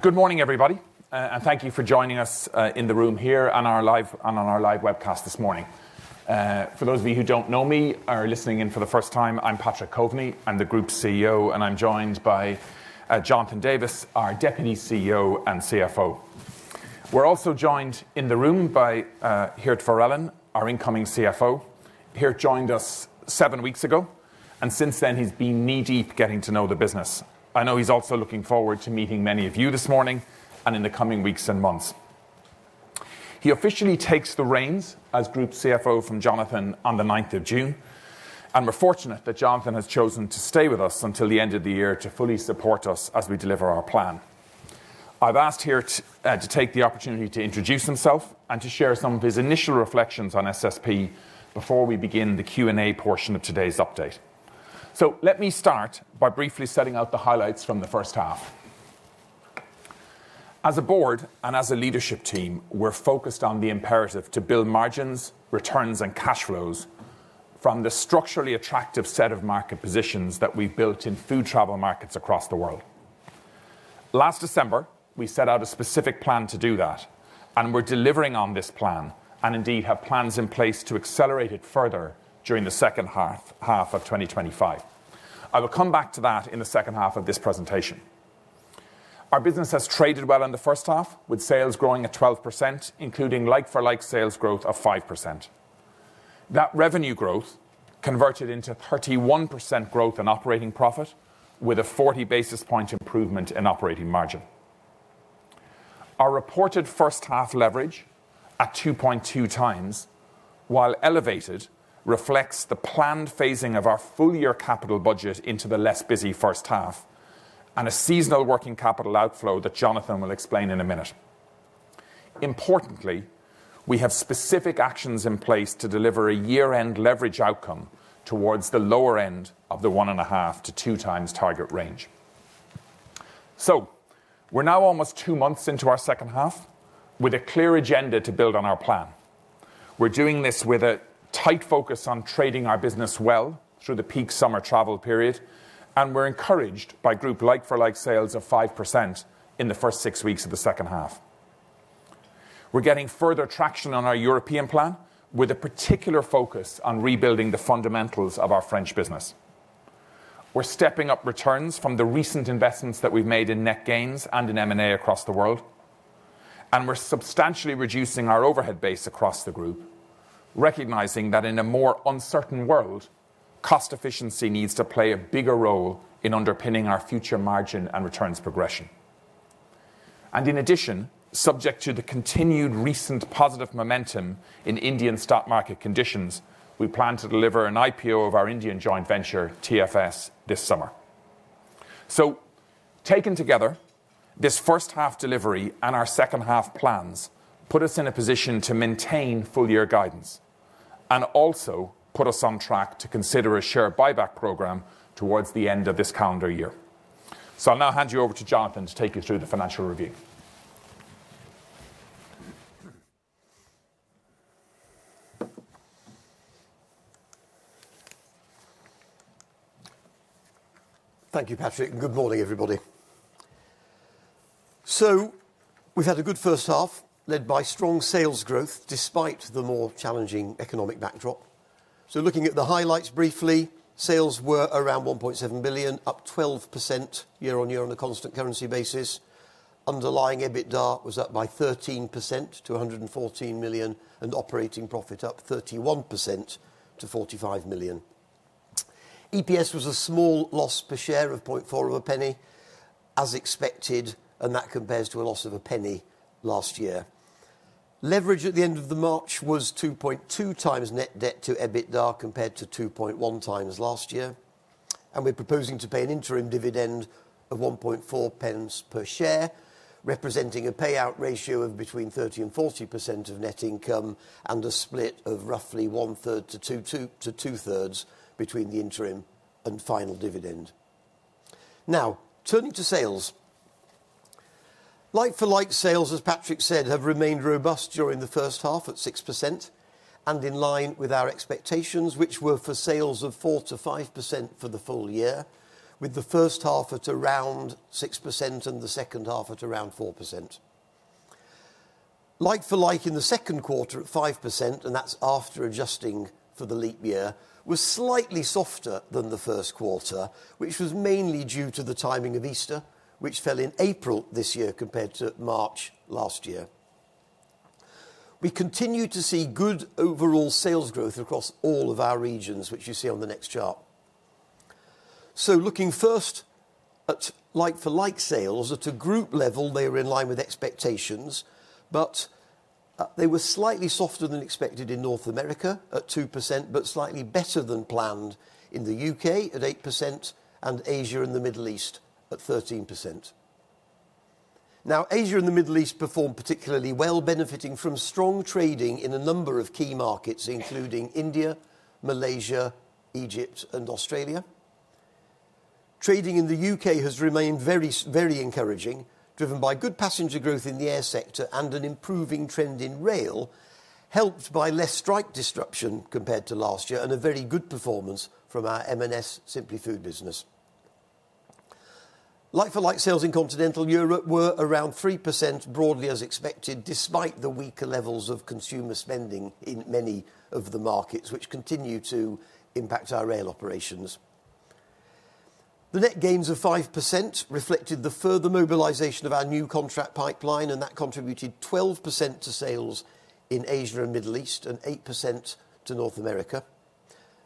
Good morning, everybody, and thank you for joining us in the room here on our live webcast this morning. For those of you who do not know me or are listening in for the first time, I am Patrick Coveney. I am the Group CEO, and I am joined by Jonathan Davies, our Deputy CEO and CFO. We are also joined in the room by Geert Verellen, our incoming CFO. Geert joined us seven weeks ago, and since then, he has been knee-deep getting to know the business. I know he is also looking forward to meeting many of you this morning and in the coming weeks and months. He officially takes the reins as Group CFO from Jonathan on the 9th of June, and we are fortunate that Jonathan has chosen to stay with us until the end of the year to fully support us as we deliver our plan. I've asked Geert to take the opportunity to introduce himself and to share some of his initial reflections on SSP before we begin the Q&A portion of today's update. Let me start by briefly setting out the highlights from the first half. As a board and as a leadership team, we're focused on the imperative to build margins, returns, and cash flows from the structurally attractive set of market positions that we've built in food travel markets across the world. Last December, we set out a specific plan to do that, and we're delivering on this plan and indeed have plans in place to accelerate it further during the second half of 2025. I will come back to that in the second half of this presentation. Our business has traded well in the first half, with sales growing at 12%, including like-for-like sales growth of 5%. That revenue growth converted into 31% growth in operating profit, with a 40 basis point improvement in operating margin. Our reported first half leverage at 2.2 times, while elevated, reflects the planned phasing of our full-year capital budget into the less busy first half and a seasonal working capital outflow that Jonathan will explain in a minute. Importantly, we have specific actions in place to deliver a year-end leverage outcome towards the lower end of the one and a half to two times target range. We are now almost two months into our second half, with a clear agenda to build on our plan. We are doing this with a tight focus on trading our business well through the peak summer travel period, and we are encouraged by Group like-for-like sales of 5% in the first six weeks of the second half. We're getting further traction on our European plan, with a particular focus on rebuilding the fundamentals of our French business. We're stepping up returns from the recent investments that we've made in net gains and in M&A across the world, and we're substantially reducing our overhead base across the group, recognizing that in a more uncertain world, cost efficiency needs to play a bigger role in underpinning our future margin and returns progression. In addition, subject to the continued recent positive momentum in Indian stock market conditions, we plan to deliver an IPO of our Indian joint venture, TFS, this summer. Taken together, this first half delivery and our second half plans put us in a position to maintain full-year guidance and also put us on track to consider a share buyback program towards the end of this calendar year. I'll now hand you over to Jonathan to take you through the financial review. Thank you, Patrick, and good morning, everybody. We have had a good first half led by strong sales growth despite the more challenging economic backdrop. Looking at the highlights briefly, sales were around 1.7 billion, up 12% year on year on a constant currency basis. Underlying EBITDA was up by 13% to 114 million, and operating profit up 31% to 45 million. EPS was a small loss per share of 0.04, as expected, and that compares to a loss of GBP 0.01 last year. Leverage at the end of March was 2.2 times net debt to EBITDA compared to 2.1 times last year. We are proposing to pay an interim dividend of 1.40 per share, representing a payout ratio of between 30-40% of net income and a split of roughly one-third to two-thirds between the interim and final dividend. Now, turning to sales. Like-for-like sales, as Patrick said, have remained robust during the first half at 6% and in line with our expectations, which were for sales of 4%-5% for the full year, with the first half at around 6% and the second half at around 4%. Like-for-like in the second quarter at 5%, and that's after adjusting for the leap year, was slightly softer than the first quarter, which was mainly due to the timing of Easter, which fell in April this year compared to March last year. We continue to see good overall sales growth across all of our regions, which you see on the next chart. Looking first at like-for-like sales at a group level, they were in line with expectations, but they were slightly softer than expected in North America at 2%, but slightly better than planned in the U.K. at 8% and Asia and the Middle East at 13%. Now, Asia and the Middle East performed particularly well, benefiting from strong trading in a number of key markets, including India, Malaysia, Egypt, and Australia. Trading in the U.K. has remained very encouraging, driven by good passenger growth in the air sector and an improving trend in rail, helped by less strike disruption compared to last year and a very good performance from our M&S Simply Food business. Like-for-like sales in continental Europe were around 3%, broadly as expected, despite the weaker levels of consumer spending in many of the markets, which continue to impact our rail operations. The net gains of 5% reflected the further mobilization of our new contract pipeline, and that contributed 12% to sales in Asia and the Middle East and 8% to North America.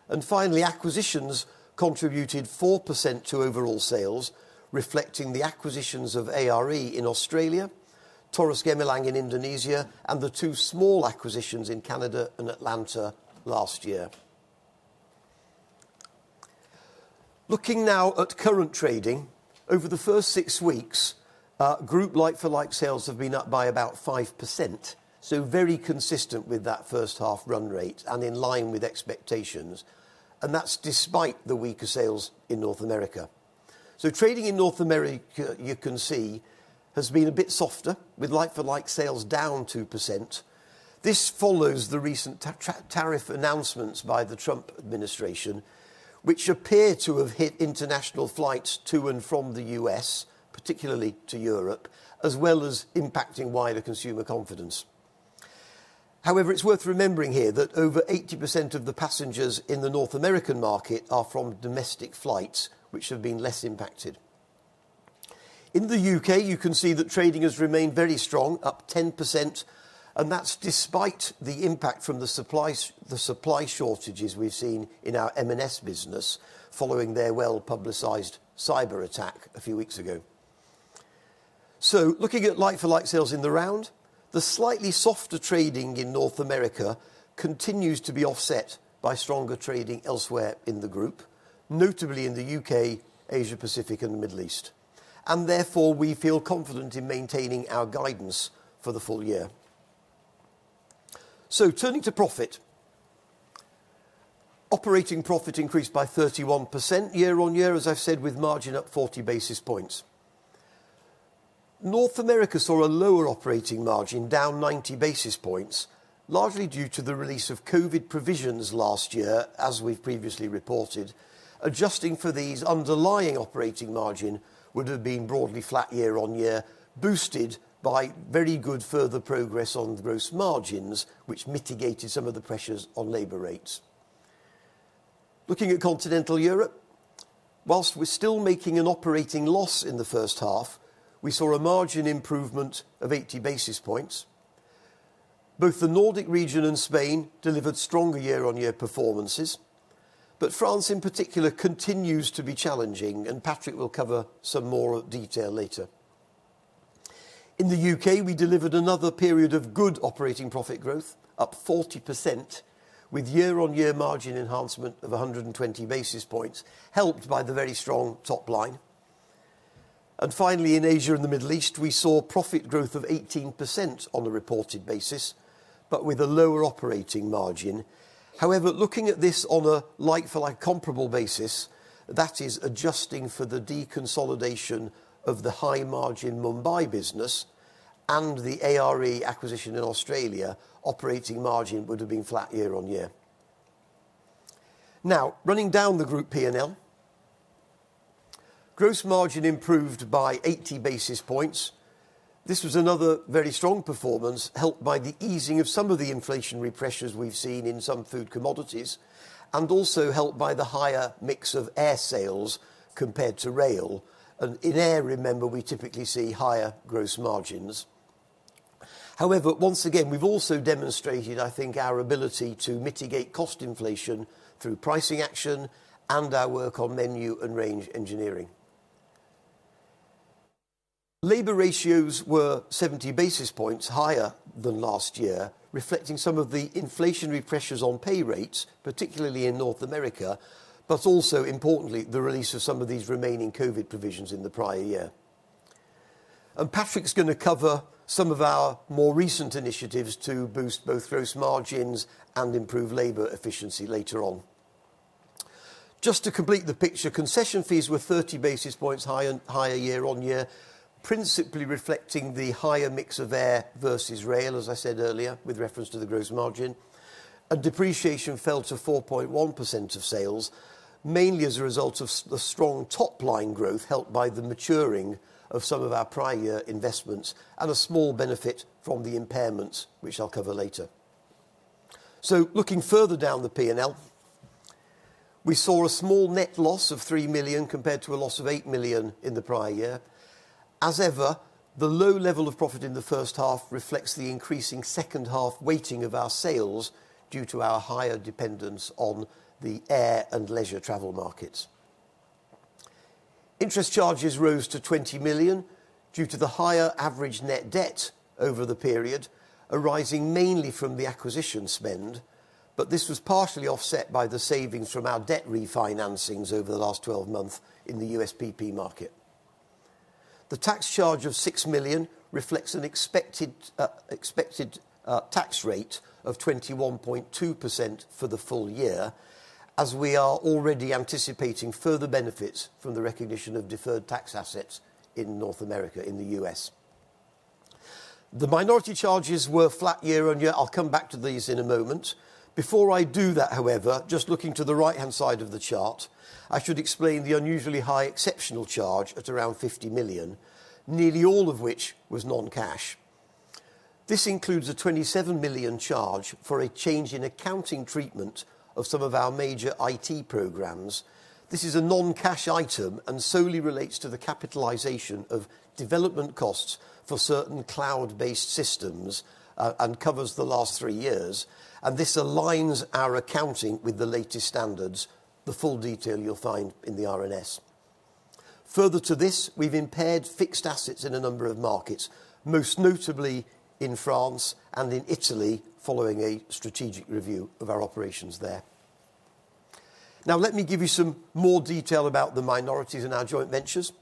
Acquisitions contributed 4% to overall sales, reflecting the acquisitions of ARE in Australia, Taurus Gemilang in Indonesia, and the two small acquisitions in Canada and Atlanta last year. Looking now at current trading, over the first six weeks, Group like-for-like sales have been up by about 5%, very consistent with that first half run rate and in line with expectations. That is despite the weaker sales in North America. Trading in North America, you can see, has been a bit softer, with like-for-like sales down 2%. This follows the recent tariff announcements by the Trump administration, which appear to have hit international flights to and from the U.S., particularly to Europe, as well as impacting wider consumer confidence. However, it's worth remembering here that over 80% of the passengers in the North American market are from domestic flights, which have been less impacted. In the U.K., you can see that trading has remained very strong, up 10%, and that's despite the impact from the supply shortages we've seen in our M&S business following their well-publicized cyber attack a few weeks ago. Looking at like-for-like sales in the round, the slightly softer trading in North America continues to be offset by stronger trading elsewhere in the group, notably in the U.K., Asia-Pacific, and the Middle East. Therefore, we feel confident in maintaining our guidance for the full year. Turning to profit, operating profit increased by 31% year on year, as I've said, with margin up 40 basis points. North America saw a lower operating margin, down 90 basis points, largely due to the release of COVID provisions last year, as we've previously reported. Adjusting for these, underlying operating margin would have been broadly flat year on year, boosted by very good further progress on gross margins, which mitigated some of the pressures on labor rates. Looking at continental Europe, whilst we're still making an operating loss in the first half, we saw a margin improvement of 80 basis points. Both the Nordic region and Spain delivered stronger year-on-year performances, but France in particular continues to be challenging, and Patrick will cover some more detail later. In the U.K., we delivered another period of good operating profit growth, up 40%, with year-on-year margin enhancement of 120 basis points, helped by the very strong top line. Finally, in Asia and the Middle East, we saw profit growth of 18% on a reported basis, but with a lower operating margin. However, looking at this on a like-for-like comparable basis, that is adjusting for the deconsolidation of the high-margin Mumbai business and the ARE acquisition in Australia, operating margin would have been flat year on year. Now, running down the Group P&L, gross margin improved by 80 basis points. This was another very strong performance, helped by the easing of some of the inflationary pressures we have seen in some food commodities and also helped by the higher mix of air sales compared to rail. In air, remember, we typically see higher gross margins. However, once again, we have also demonstrated, I think, our ability to mitigate cost inflation through pricing action and our work on menu and range engineering. Labor ratios were 70 basis points higher than last year, reflecting some of the inflationary pressures on pay rates, particularly in North America, but also, importantly, the release of some of these remaining COVID provisions in the prior year. Patrick is going to cover some of our more recent initiatives to boost both gross margins and improve labor efficiency later on. Just to complete the picture, concession fees were 30 basis points higher year on year, principally reflecting the higher mix of air versus rail, as I said earlier, with reference to the gross margin. Depreciation fell to 4.1% of sales, mainly as a result of the strong top line growth, helped by the maturing of some of our prior year investments and a small benefit from the impairments, which I'll cover later. Looking further down the P&L, we saw a small net loss of 3 million compared to a loss of 8 million in the prior year. As ever, the low level of profit in the first half reflects the increasing second half weighting of our sales due to our higher dependence on the air and leisure travel markets. Interest charges rose to 20 million due to the higher average net debt over the period, arising mainly from the acquisition spend, but this was partially offset by the savings from our debt refinancings over the last 12 months in the U.S.PP market. The tax charge of 6 million reflects an expected tax rate of 21.2% for the full year, as we are already anticipating further benefits from the recognition of deferred tax assets in North America in the U.S. The minority charges were flat year on year. I'll come back to these in a moment. Before I do that, however, just looking to the right-hand side of the chart, I should explain the unusually high exceptional charge at around 50 million, nearly all of which was non-cash. This includes a 27 million charge for a change in accounting treatment of some of our major IT programs. This is a non-cash item and solely relates to the capitalization of development costs for certain cloud-based systems and covers the last three years. This aligns our accounting with the latest standards. The full detail you'll find in the R&S. Further to this, we have impaired fixed assets in a number of markets, most notably in France and in Italy, following a strategic review of our operations there. Now, let me give you some more detail about the minorities in our joint ventures.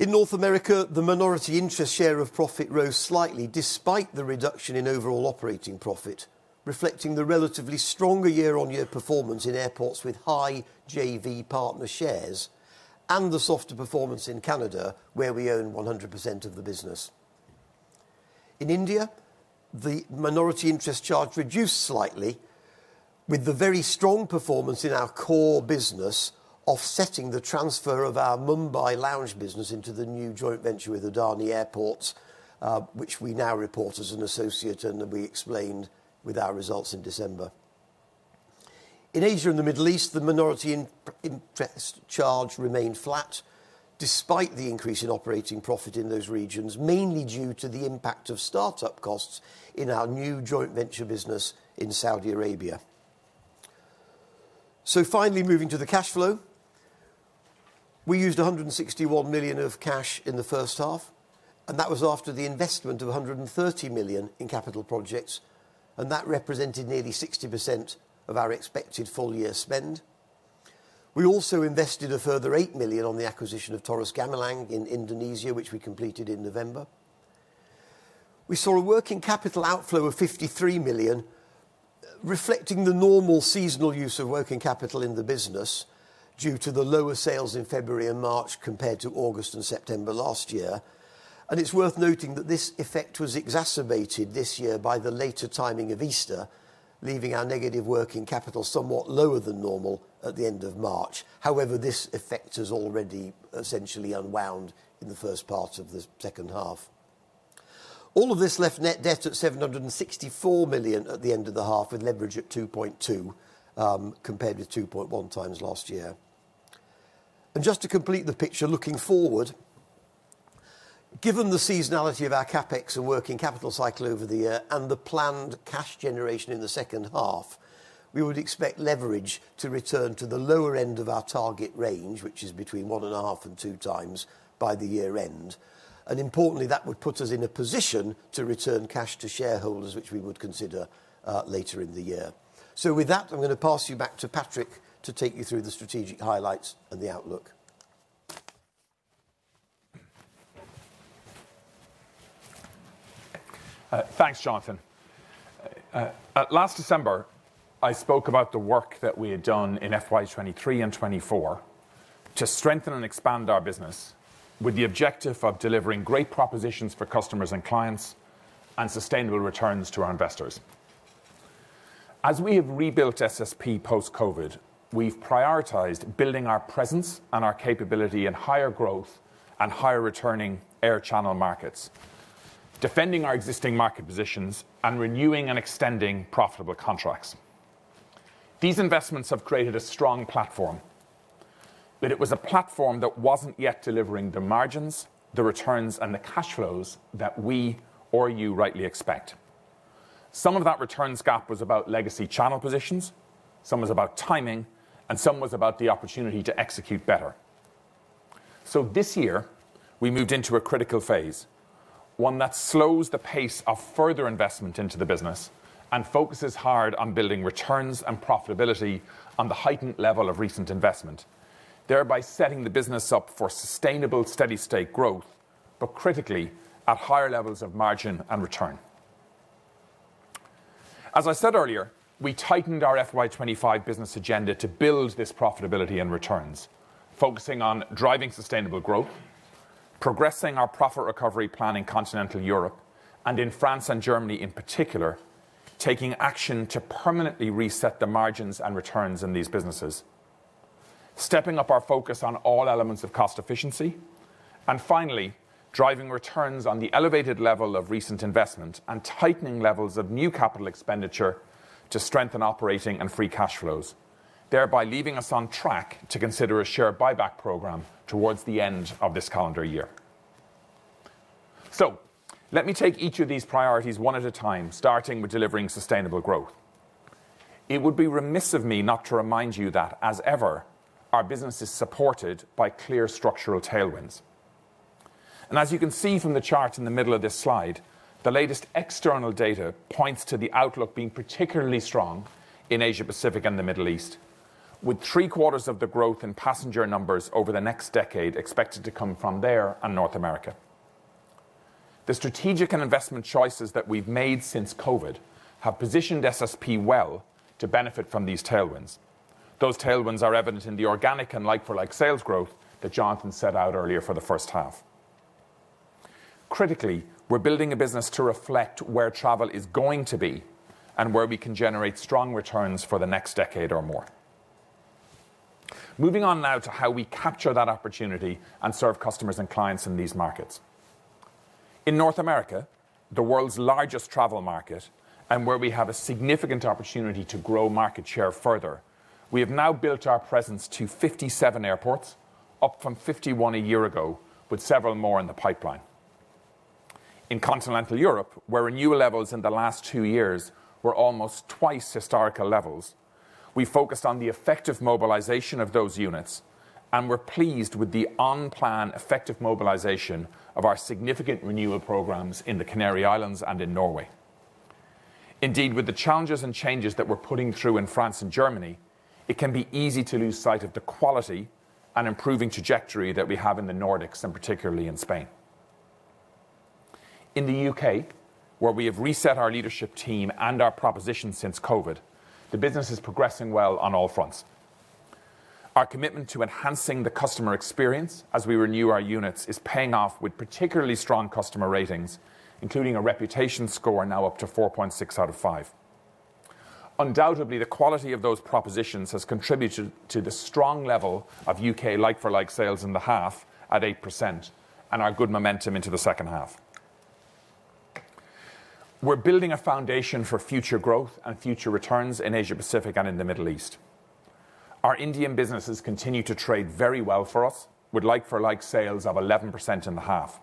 In North America, the minority interest share of profit rose slightly despite the reduction in overall operating profit, reflecting the relatively stronger year-on-year performance in airports with high JV partner shares and the softer performance in Canada, where we own 100% of the business. In India, the minority interest charge reduced slightly, with the very strong performance in our core business offsetting the transfer of our Mumbai lounge business into the new joint venture with Adani Airports, which we now report as an associate, and we explained with our results in December. In Asia and the Middle East, the minority interest charge remained flat despite the increase in operating profit in those regions, mainly due to the impact of startup costs in our new joint venture business in Saudi Arabia. Finally, moving to the cash flow, we used 161 million of cash in the first half, and that was after the investment of 130 million in capital projects, and that represented nearly 60% of our expected full-year spend. We also invested a further 8 million on the acquisition of Taurus Gemilang in Indonesia, which we completed in November. We saw a working capital outflow of 53 million, reflecting the normal seasonal use of working capital in the business due to the lower sales in February and March compared to August and September last year. It is worth noting that this effect was exacerbated this year by the later timing of Easter, leaving our negative working capital somewhat lower than normal at the end of March. However, this effect has already essentially unwound in the first part of the second half. All of this left net debt at 764 million at the end of the half, with leverage at 2.2 compared with 2.1 times last year. Just to complete the picture, looking forward, given the seasonality of our CapEx and working capital cycle over the year and the planned cash generation in the second half, we would expect leverage to return to the lower end of our target range, which is between 1.5-2 times by the year end. Importantly, that would put us in a position to return cash to shareholders, which we would consider later in the year. With that, I'm going to pass you back to Patrick to take you through the strategic highlights and the outlook. Thanks, Jonathan. Last December, I spoke about the work that we had done in FY 2023 and 2024 to strengthen and expand our business with the objective of delivering great propositions for customers and clients and sustainable returns to our investors. As we have rebuilt SSP post-COVID, we've prioritized building our presence and our capability in higher growth and higher returning air channel markets, defending our existing market positions, and renewing and extending profitable contracts. These investments have created a strong platform, but it was a platform that was not yet delivering the margins, the returns, and the cash flows that we or you rightly expect. Some of that returns gap was about legacy channel positions, some was about timing, and some was about the opportunity to execute better. This year, we moved into a critical phase, one that slows the pace of further investment into the business and focuses hard on building returns and profitability on the heightened level of recent investment, thereby setting the business up for sustainable steady-state growth, but critically, at higher levels of margin and return. As I said earlier, we tightened our FY 2025 business agenda to build this profitability and returns, focusing on driving sustainable growth, progressing our profit recovery plan in continental Europe, and in France and Germany in particular, taking action to permanently reset the margins and returns in these businesses, stepping up our focus on all elements of cost efficiency, and finally, driving returns on the elevated level of recent investment and tightening levels of new capital expenditure to strengthen operating and free cash flows, thereby leaving us on track to consider a share buyback program towards the end of this calendar year. Let me take each of these priorities one at a time, starting with delivering sustainable growth. It would be remiss of me not to remind you that, as ever, our business is supported by clear structural tailwinds. As you can see from the chart in the middle of this slide, the latest external data points to the outlook being particularly strong in Asia-Pacific and the Middle East, with three-quarters of the growth in passenger numbers over the next decade expected to come from there and North America. The strategic and investment choices that we have made since COVID have positioned SSP well to benefit from these tailwinds. Those tailwinds are evident in the organic and like-for-like sales growth that Jonathan set out earlier for the first half. Critically, we are building a business to reflect where travel is going to be and where we can generate strong returns for the next decade or more. Moving on now to how we capture that opportunity and serve customers and clients in these markets. In North America, the world's largest travel market and where we have a significant opportunity to grow market share further, we have now built our presence to 57 airports, up from 51 a year ago, with several more in the pipeline. In continental Europe, where renewal levels in the last two years were almost twice historical levels, we focused on the effective mobilization of those units and were pleased with the on-plan effective mobilization of our significant renewal programs in the Canary Islands and in Norway. Indeed, with the challenges and changes that we're putting through in France and Germany, it can be easy to lose sight of the quality and improving trajectory that we have in the Nordics, and particularly in Spain. In the U.K., where we have reset our leadership team and our proposition since COVID, the business is progressing well on all fronts. Our commitment to enhancing the customer experience as we renew our units is paying off with particularly strong customer ratings, including a reputation score now up to 4.6 out of 5. Undoubtedly, the quality of those propositions has contributed to the strong level of U.K. like-for-like sales in the half at 8% and our good momentum into the second half. We're building a foundation for future growth and future returns in Asia-Pacific and in the Middle East. Our Indian businesses continue to trade very well for us, with like-for-like sales of 11% in the half.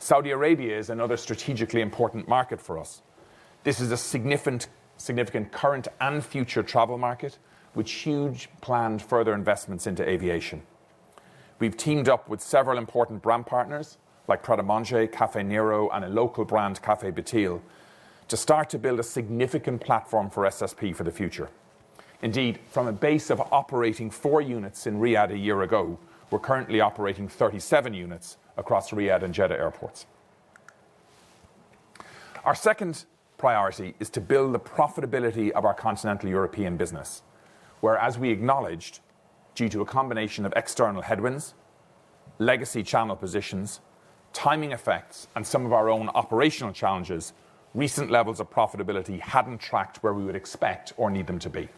Saudi Arabia is another strategically important market for us. This is a significant current and future travel market with huge planned further investments into aviation. We've teamed up with several important brand partners like Prada Monche, Caffé Nero, and a local brand, Café Beteel, to start to build a significant platform for SSP for the future. Indeed, from a base of operating four units in Riyadh a year ago, we're currently operating 37 units across Riyadh and Jeddah airports. Our second priority is to build the profitability of our continental European business, where, as we acknowledged, due to a combination of external headwinds, legacy channel positions, timing effects, and some of our own operational challenges, recent levels of profitability hadn't tracked where we would expect or need them to be.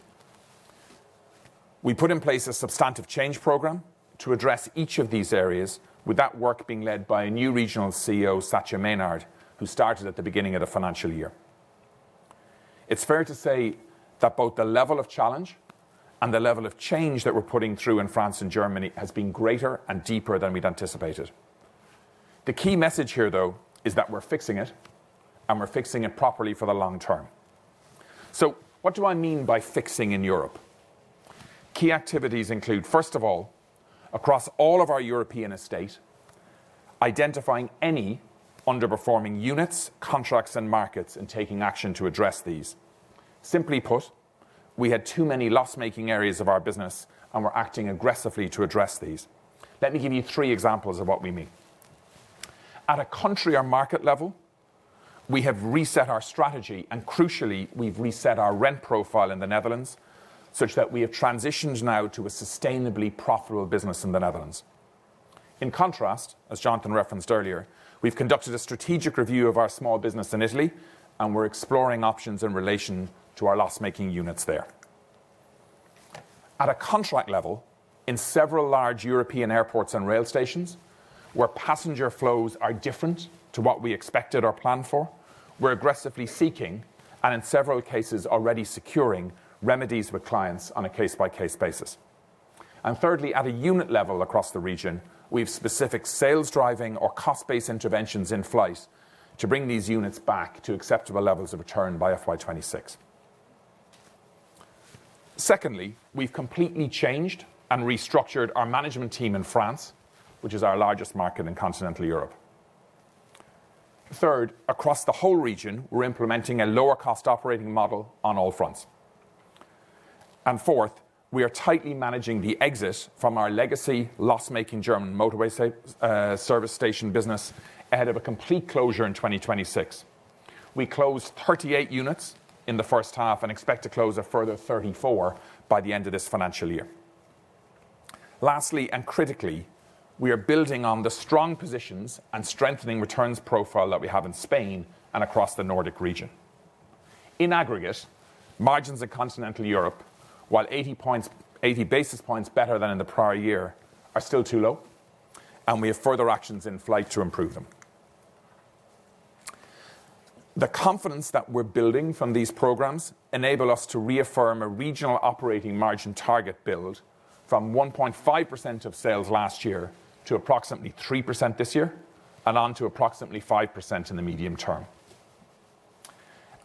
We put in place a substantive change program to address each of these areas, with that work being led by a new Regional CEO, Satya Menard, who started at the beginning of the financial year. It's fair to say that both the level of challenge and the level of change that we're putting through in France and Germany has been greater and deeper than we'd anticipated. The key message here, though, is that we're fixing it, and we're fixing it properly for the long term. What do I mean by fixing in Europe? Key activities include, first of all, across all of our European estate, identifying any underperforming units, contracts, and markets, and taking action to address these. Simply put, we had too many loss-making areas of our business, and we're acting aggressively to address these. Let me give you three examples of what we mean. At a country or market level, we have reset our strategy, and crucially, we've reset our rent profile in the Netherlands such that we have transitioned now to a sustainably profitable business in the Netherlands. In contrast, as Jonathan referenced earlier, we've conducted a strategic review of our small business in Italy, and we're exploring options in relation to our loss-making units there. At a contract level, in several large European airports and rail stations, where passenger flows are different to what we expected or planned for, we're aggressively seeking, and in several cases, already securing remedies for clients on a case-by-case basis. Thirdly, at a unit level across the region, we have specific sales driving or cost-based interventions in flight to bring these units back to acceptable levels of return by FY 2026. Secondly, we've completely changed and restructured our management team in France, which is our largest market in continental Europe. Third, across the whole region, we're implementing a lower-cost operating model on all fronts. Fourth, we are tightly managing the exit from our legacy loss-making German motorway service station business ahead of a complete closure in 2026. We closed 38 units in the first half and expect to close a further 34 by the end of this financial year. Lastly, and critically, we are building on the strong positions and strengthening returns profile that we have in Spain and across the Nordic region. In aggregate, margins in continental Europe, while 80 basis points better than in the prior year, are still too low, and we have further actions in flight to improve them. The confidence that we're building from these programs enables us to reaffirm a regional operating margin target build from 1.5% of sales last year to approximately 3% this year and on to approximately 5% in the medium term.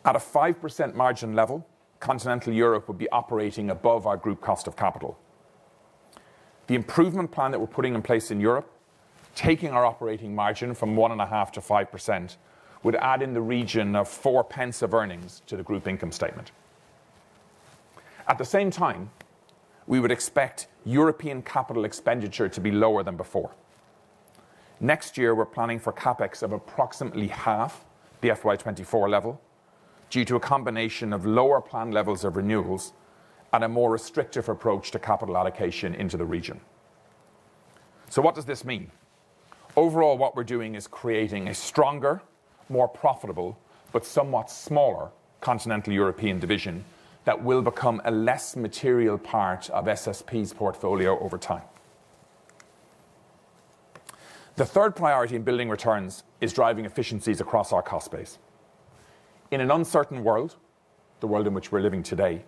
At a 5% margin level, continental Europe would be operating above our group cost of capital. The improvement plan that we're putting in place in Europe, taking our operating margin from 1.5%-5%, would add in the region of 4.00 of earnings to the group income statement. At the same time, we would expect European capital expenditure to be lower than before. Next year, we're planning for CapEx of approximately half the FY 2024 level due to a combination of lower planned levels of renewals and a more restrictive approach to capital allocation into the region. What this means overall is we are creating a stronger, more profitable, but somewhat smaller continental European division that will become a less material part of SSP's portfolio over time. The third priority in building returns is driving efficiencies across our cost base. In an uncertain world, the world in which we're living today,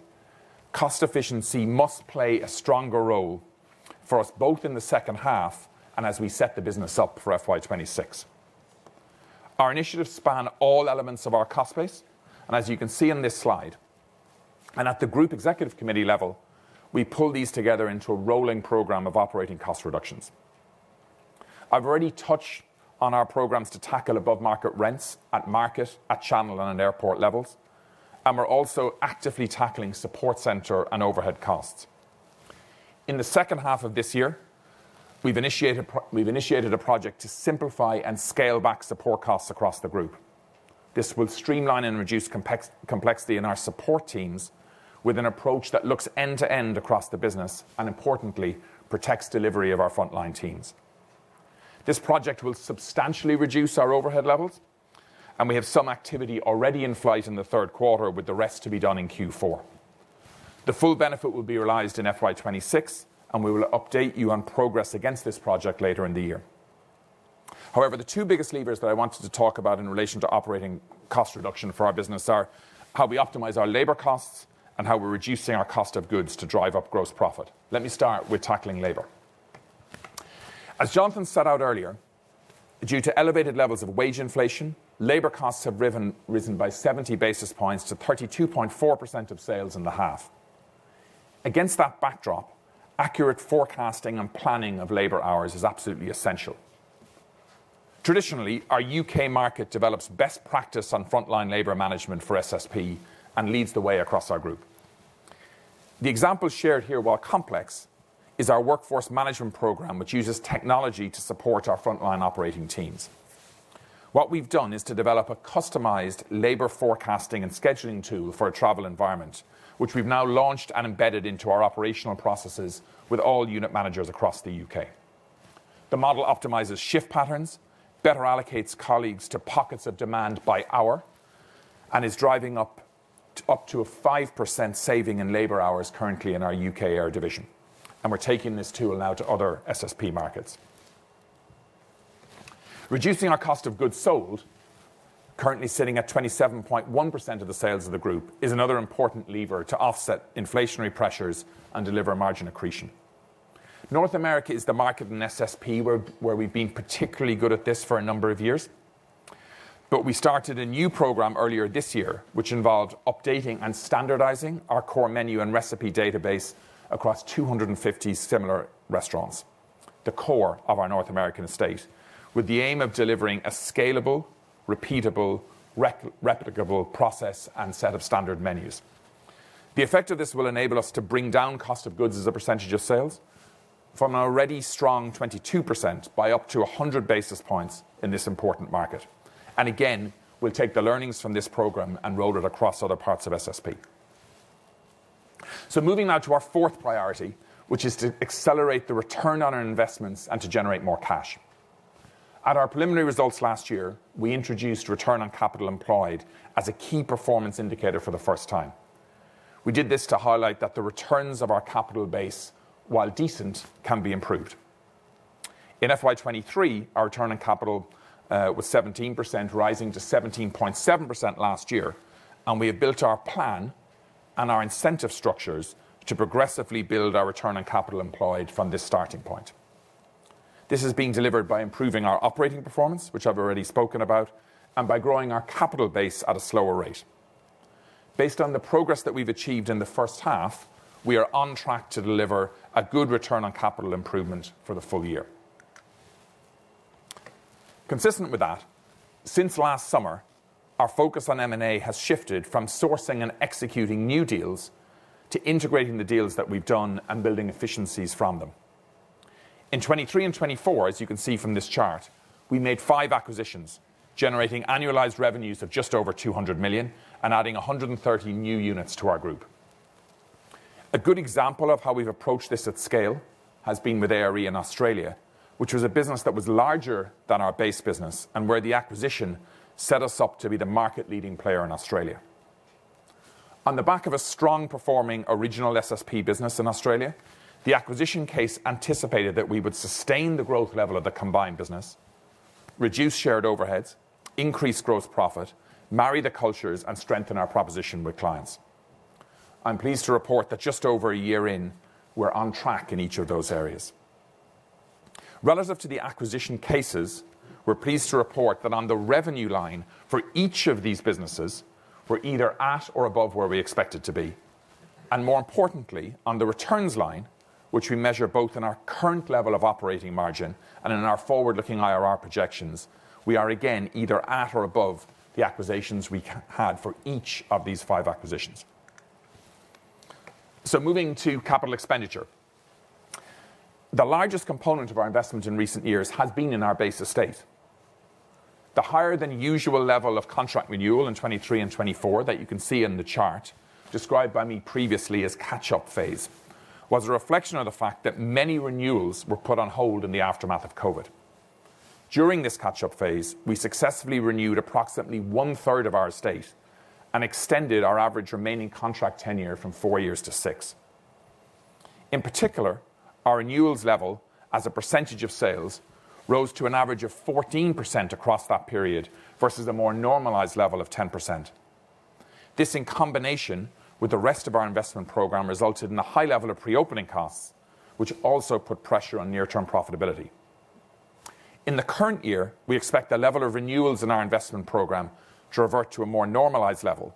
cost efficiency must play a stronger role for us both in the second half and as we set the business up for FY 2026. Our initiatives span all elements of our cost base, and as you can see in this slide, and at the Group Executive Committee level, we pull these together into a rolling program of operating cost reductions. I've already touched on our programs to tackle above-market rents at market, at channel, and at airport levels, and we're also actively tackling support center and overhead costs. In the second half of this year, we've initiated a project to simplify and scale back support costs across the group. This will streamline and reduce complexity in our support teams with an approach that looks end-to-end across the business and, importantly, protects delivery of our frontline teams. This project will substantially reduce our overhead levels, and we have some activity already in flight in the third quarter with the rest to be done in Q4. The full benefit will be realized in FY 2026, and we will update you on progress against this project later in the year. However, the two biggest levers that I wanted to talk about in relation to operating cost reduction for our business are how we optimize our labor costs and how we're reducing our cost of goods to drive up gross profit. Let me start with tackling labor. As Jonathan set out earlier, due to elevated levels of wage inflation, labor costs have risen by 70 basis points to 32.4% of sales in the half. Against that backdrop, accurate forecasting and planning of labor hours is absolutely essential. Traditionally, our U.K. market develops best practice on frontline labor management for SSP and leads the way across our group. The example shared here, while complex, is our workforce management program, which uses technology to support our frontline operating teams. What we've done is to develop a customized labor forecasting and scheduling tool for a travel environment, which we've now launched and embedded into our operational processes with all unit managers across the U.K. The model optimizes shift patterns, better allocates colleagues to pockets of demand by hour, and is driving up to a 5% saving in labor hours currently in our U.K. air division. We're taking this tool now to other SSP markets. Reducing our cost of goods sold, currently sitting at 27.1% of the sales of the group, is another important lever to offset inflationary pressures and deliver margin accretion. North America is the market in SSP where we've been particularly good at this for a number of years, but we started a new program earlier this year, which involved updating and standardizing our core menu and recipe database across 250 similar restaurants, the core of our North American estate, with the aim of delivering a scalable, repeatable, replicable process and set of standard menus. The effect of this will enable us to bring down cost of goods as a percentage of sales from an already strong 22% by up to 100 basis points in this important market. We will take the learnings from this program and roll it across other parts of SSP. Moving now to our fourth priority, which is to accelerate the return on our investments and to generate more cash. At our preliminary results last year, we introduced return on capital employed as a key performance indicator for the first time. We did this to highlight that the returns of our capital base, while decent, can be improved. In FY 2023, our return on capital was 17%, rising to 17.7% last year, and we have built our plan and our incentive structures to progressively build our return on capital employed from this starting point. This is being delivered by improving our operating performance, which I've already spoken about, and by growing our capital base at a slower rate. Based on the progress that we've achieved in the first half, we are on track to deliver a good return on capital improvement for the full year. Consistent with that, since last summer, our focus on M&A has shifted from sourcing and executing new deals to integrating the deals that we've done and building efficiencies from them. In 2023 and 2024, as you can see from this chart, we made five acquisitions, generating annualized revenues of just over 200 million and adding 130 new units to our group. A good example of how we've approached this at scale has been with ARE in Australia, which was a business that was larger than our base business and where the acquisition set us up to be the market-leading player in Australia. On the back of a strong-performing original SSP business in Australia, the acquisition case anticipated that we would sustain the growth level of the combined business, reduce shared overheads, increase gross profit, marry the cultures, and strengthen our proposition with clients. I'm pleased to report that just over a year in, we're on track in each of those areas. Relative to the acquisition cases, we're pleased to report that on the revenue line for each of these businesses, we're either at or above where we expected to be. More importantly, on the returns line, which we measure both in our current level of operating margin and in our forward-looking IRR projections, we are again either at or above the acquisitions we had for each of these five acquisitions. Moving to capital expenditure, the largest component of our investment in recent years has been in our base estate. The higher-than-usual level of contract renewal in 2023 and 2024 that you can see in the chart, described by me previously as catch-up phase, was a reflection of the fact that many renewals were put on hold in the aftermath of COVID. During this catch-up phase, we successfully renewed approximately one-third of our estate and extended our average remaining contract tenure from four years to six. In particular, our renewals level as a percentage of sales rose to an average of 14% across that period versus a more normalized level of 10%. This, in combination with the rest of our investment program, resulted in a high level of pre-opening costs, which also put pressure on near-term profitability. In the current year, we expect the level of renewals in our investment program to revert to a more normalized level,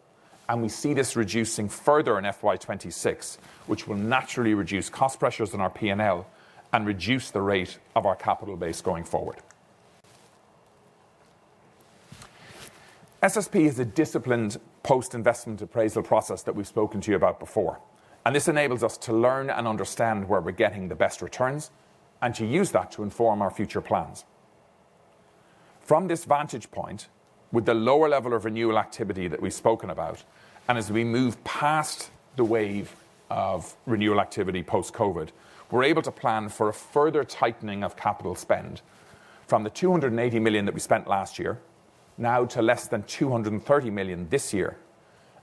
and we see this reducing further in fiscal year 2026, which will naturally reduce cost pressures on our P&L and reduce the rate of our capital base going forward. SSP is a disciplined post-investment appraisal process that we've spoken to you about before, and this enables us to learn and understand where we're getting the best returns and to use that to inform our future plans. From this vantage point, with the lower level of renewal activity that we've spoken about, as we move past the wave of renewal activity post-COVID, we're able to plan for a further tightening of capital spend from the 280 million that we spent last year now to less than 230 million this year.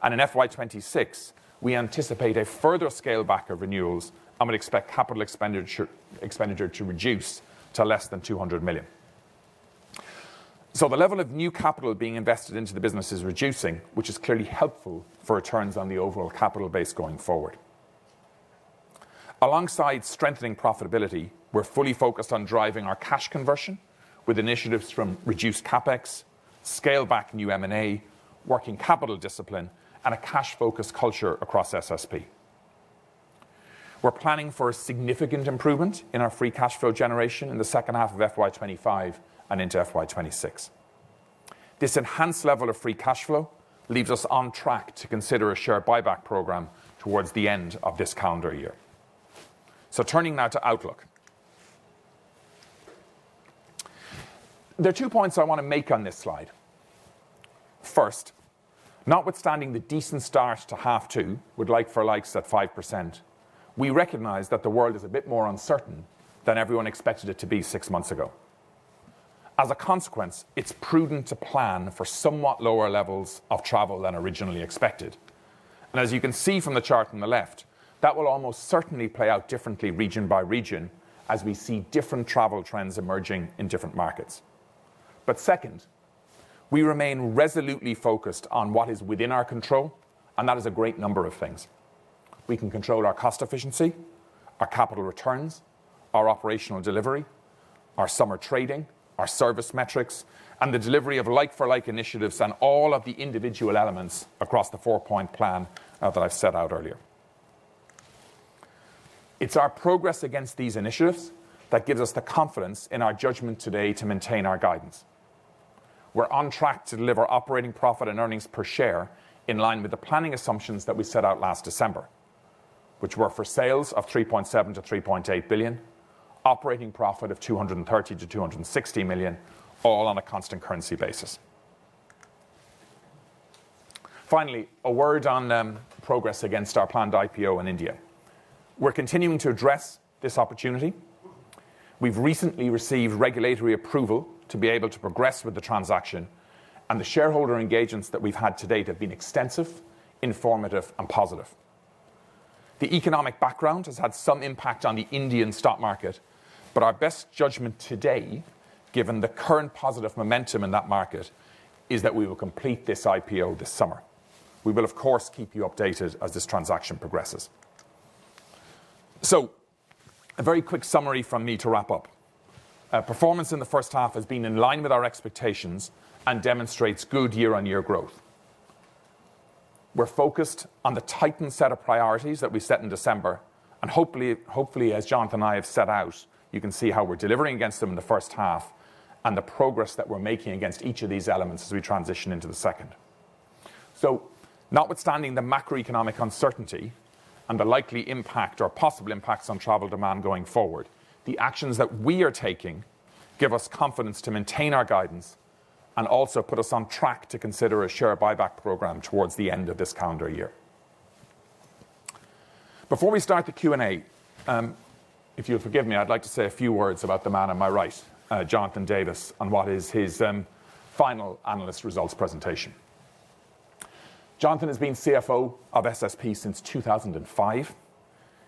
In FY 2026, we anticipate a further scale back of renewals, and we expect capital expenditure to reduce to less than 200 million. The level of new capital being invested into the business is reducing, which is clearly helpful for returns on the overall capital base going forward. Alongside strengthening profitability, we're fully focused on driving our cash conversion with initiatives from reduced CapEx, scale back new M&A, working capital discipline, and a cash-focused culture across SSP. We're planning for a significant improvement in our free cash flow generation in the second half of FY 2025 and into FY 2026. This enhanced level of free cash flow leaves us on track to consider a share buyback program towards the end of this calendar year. Turning now to Outlook. There are two points I want to make on this slide. First, notwithstanding the decent start to half two, with like-for-likes at 5%, we recognize that the world is a bit more uncertain than everyone expected it to be six months ago. As a consequence, it's prudent to plan for somewhat lower levels of travel than originally expected. As you can see from the chart on the left, that will almost certainly play out differently region by region as we see different travel trends emerging in different markets. Second, we remain resolutely focused on what is within our control, and that is a great number of things. We can control our cost efficiency, our capital returns, our operational delivery, our summer trading, our service metrics, and the delivery of like-for-like initiatives and all of the individual elements across the four-point plan that I have set out earlier. It is our progress against these initiatives that gives us the confidence in our judgment today to maintain our guidance. We're on track to deliver operating profit and earnings per share in line with the planning assumptions that we set out last December, which were for sales of 3.7 billion-3.8 billion, operating profit of 230 million-260 million, all on a constant currency basis. Finally, a word on progress against our planned IPO in India. We're continuing to address this opportunity. We've recently received regulatory approval to be able to progress with the transaction, and the shareholder engagements that we've had to date have been extensive, informative, and positive. The economic background has had some impact on the Indian stock market, but our best judgment today, given the current positive momentum in that market, is that we will complete this IPO this summer. We will, of course, keep you updated as this transaction progresses. A very quick summary from me to wrap up. Performance in the first half has been in line with our expectations and demonstrates good year-on-year growth. We're focused on the tightened set of priorities that we set in December, and hopefully, as Jonathan and I have set out, you can see how we're delivering against them in the first half and the progress that we're making against each of these elements as we transition into the second. Notwithstanding the macroeconomic uncertainty and the likely impact or possible impacts on travel demand going forward, the actions that we are taking give us confidence to maintain our guidance and also put us on track to consider a share buyback program towards the end of this calendar year. Before we start the Q&A, if you'll forgive me, I'd like to say a few words about the man on my right, Jonathan Davies, and what is his final analyst results presentation. Jonathan has been CFO of SSP since 2005.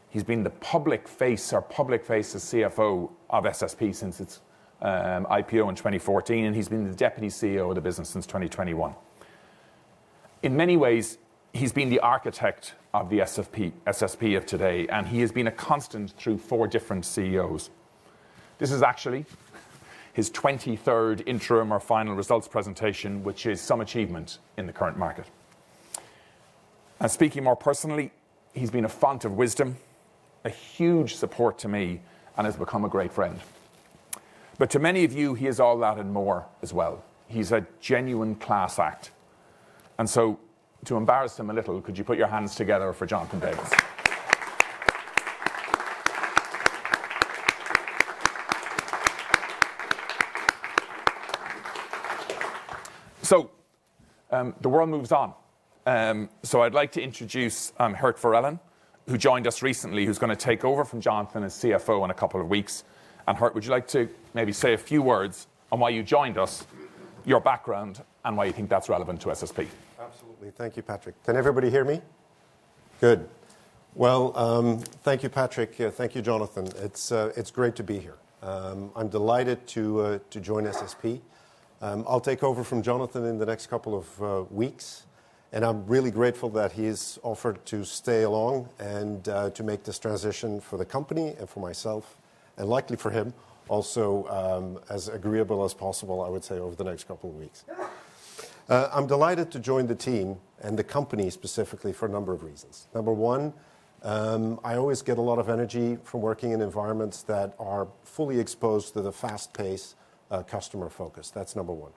He's been the public face or public face as CFO of SSP since its IPO in 2014, and he's been the Deputy CEO of the business since 2021. In many ways, he's been the architect of the SSP of today, and he has been a constant through four different CEOs. This is actually his 23rd interim or final results presentation, which is some achievement in the current market. Speaking more personally, he's been a fount of wisdom, a huge support to me, and has become a great friend. To many of you, he is all that and more as well. He's a genuine class act. To embarrass him a little, could you put your hands together for Jonathan Davies? The world moves on. I would like to introduce Geert Verellen, who joined us recently, who is going to take over from Jonathan as CFO in a couple of weeks. Geert, would you like to maybe say a few words on why you joined us, your background, and why you think that is relevant to SSP? Absolutely. Thank you, Patrick. Can everybody hear me? Good. Thank you, Patrick. Thank you, Jonathan. It is great to be here. I am delighted to join SSP. I will take over from Jonathan in the next couple of weeks, and I am really grateful that he has offered to stay along and to make this transition for the company and for myself and likely for him also as agreeable as possible, I would say, over the next couple of weeks. I am delighted to join the team and the company specifically for a number of reasons. Number one, I always get a lot of energy from working in environments that are fully exposed to the fast-paced customer focus. That's number one.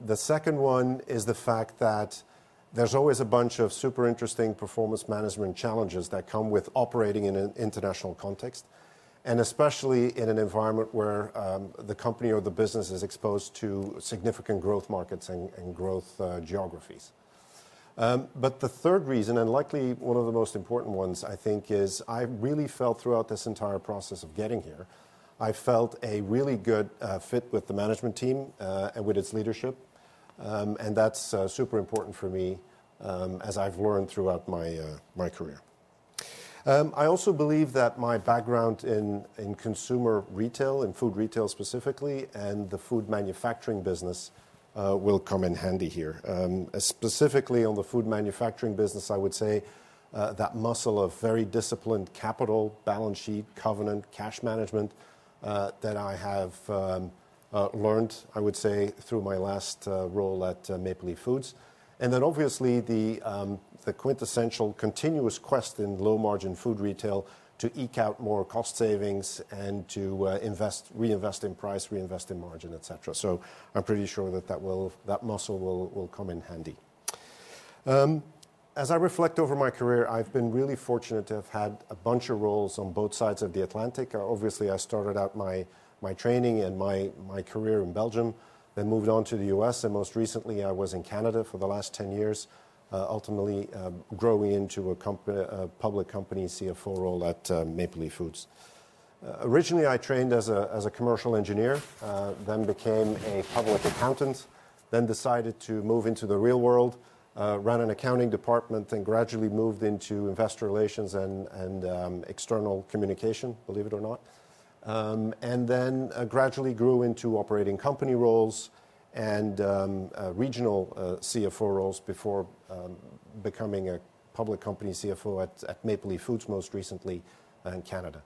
The second one is the fact that there's always a bunch of super interesting performance management challenges that come with operating in an international context, and especially in an environment where the company or the business is exposed to significant growth markets and growth geographies. The third reason, and likely one of the most important ones, I think, is I really felt throughout this entire process of getting here, I felt a really good fit with the management team and with its leadership, and that's super important for me as I've learned throughout my career. I also believe that my background in consumer retail, in food retail specifically, and the food manufacturing business will come in handy here. Specifically on the food manufacturing business, I would say that muscle of very disciplined capital, balance sheet, covenant, cash management that I have learned, I would say, through my last role at Maple Leaf Foods. Obviously the quintessential continuous quest in low-margin food retail to eke out more cost savings and to reinvest in price, reinvest in margin, et cetera. I'm pretty sure that that muscle will come in handy. As I reflect over my career, I've been really fortunate to have had a bunch of roles on both sides of the Atlantic. Obviously, I started out my training and my career in Belgium, then moved on to the U.S., and most recently, I was in Canada for the last 10 years, ultimately growing into a public company CFO role at Maple Leaf Foods. Originally, I trained as a commercial engineer, then became a public accountant, then decided to move into the real world, ran an accounting department, then gradually moved into investor relations and external communication, believe it or not. I gradually grew into operating company roles and regional CFO roles before becoming a public company CFO at Maple Leaf Foods most recently in Canada.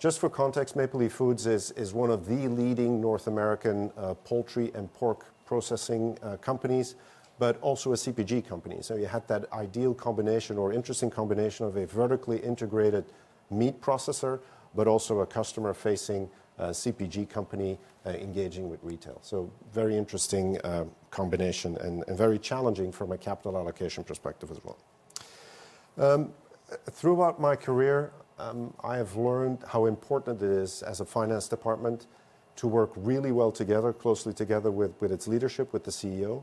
Just for context, Maple Leaf Foods is one of the leading North American poultry and pork processing companies, but also a CPG company. You had that ideal combination or interesting combination of a vertically integrated meat processor, but also a customer-facing CPG company engaging with retail. Very interesting combination and very challenging from a capital allocation perspective as well. Throughout my career, I have learned how important it is as a finance department to work really well together, closely together with its leadership, with the CEO,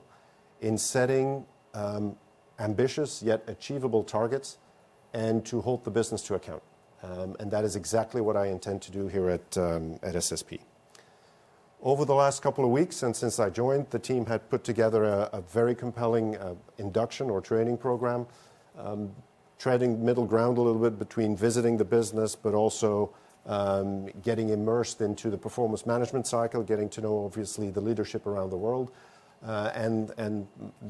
in setting ambitious yet achievable targets and to hold the business to account. That is exactly what I intend to do here at SSP. Over the last couple of weeks and since I joined, the team had put together a very compelling induction or training program, treading middle ground a little bit between visiting the business, but also getting immersed into the performance management cycle, getting to know obviously the leadership around the world and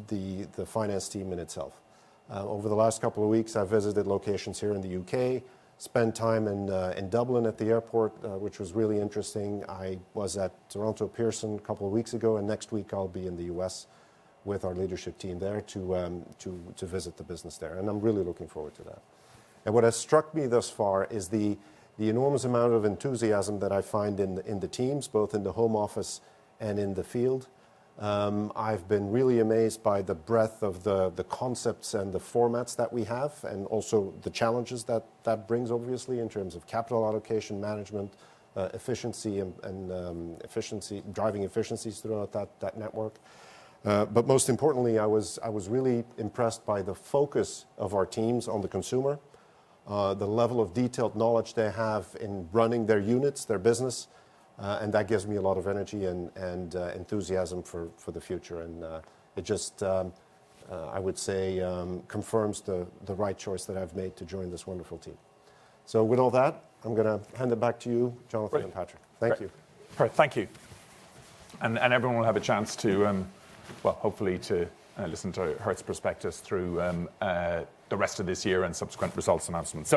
the finance team in itself. Over the last couple of weeks, I've visited locations here in the U.K., spent time in Dublin at the airport, which was really interesting. I was at Toronto Pearson a couple of weeks ago, and next week I'll be in the U.S. with our leadership team there to visit the business there. I'm really looking forward to that. What has struck me thus far is the enormous amount of enthusiasm that I find in the teams, both in the home office and in the field. I've been really amazed by the breadth of the concepts and the formats that we have and also the challenges that that brings, obviously, in terms of capital allocation, management, efficiency, and driving efficiencies throughout that network. Most importantly, I was really impressed by the focus of our teams on the consumer, the level of detailed knowledge they have in running their units, their business, and that gives me a lot of energy and enthusiasm for the future. I would say, it just confirms the right choice that I've made to join this wonderful team. With all that, I'm going to hand it back to you, Jonathan and Patrick. Thank you. All right. Thank you. Everyone will have a chance to, hopefully, to listen to Geert's perspectives through the rest of this year and subsequent results announcements.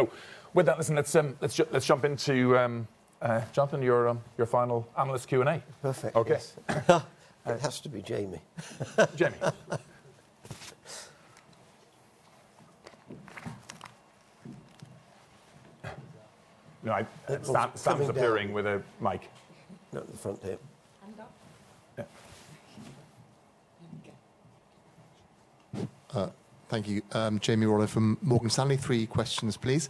With that, listen, let's jump into Jonathan, your final analyst Q&A. Perfect. Yes. It has to be Jamie. Jamie. No, I'm appearing with a mic. Not in the front there. Thank you. [Jamie Waller] from Morgan Stanley. Three questions, please.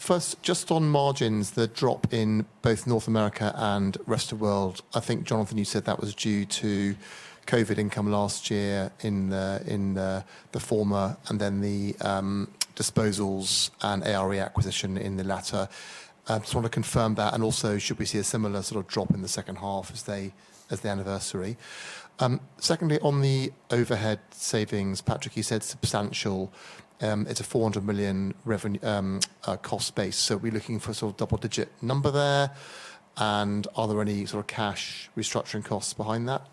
First, just on margins, the drop in both North America and rest of the world. I think, Jonathan, you said that was due to COVID income last year in the former and then the disposals and ARE acquisition in the latter. Just want to confirm that. Also, should we see a similar sort of drop in the second half as the anniversary? Secondly, on the overhead savings, Patrick, you said substantial. It's a 400 million cost base. So are we looking for a sort of double-digit number there? Are there any sort of cash restructuring costs behind that?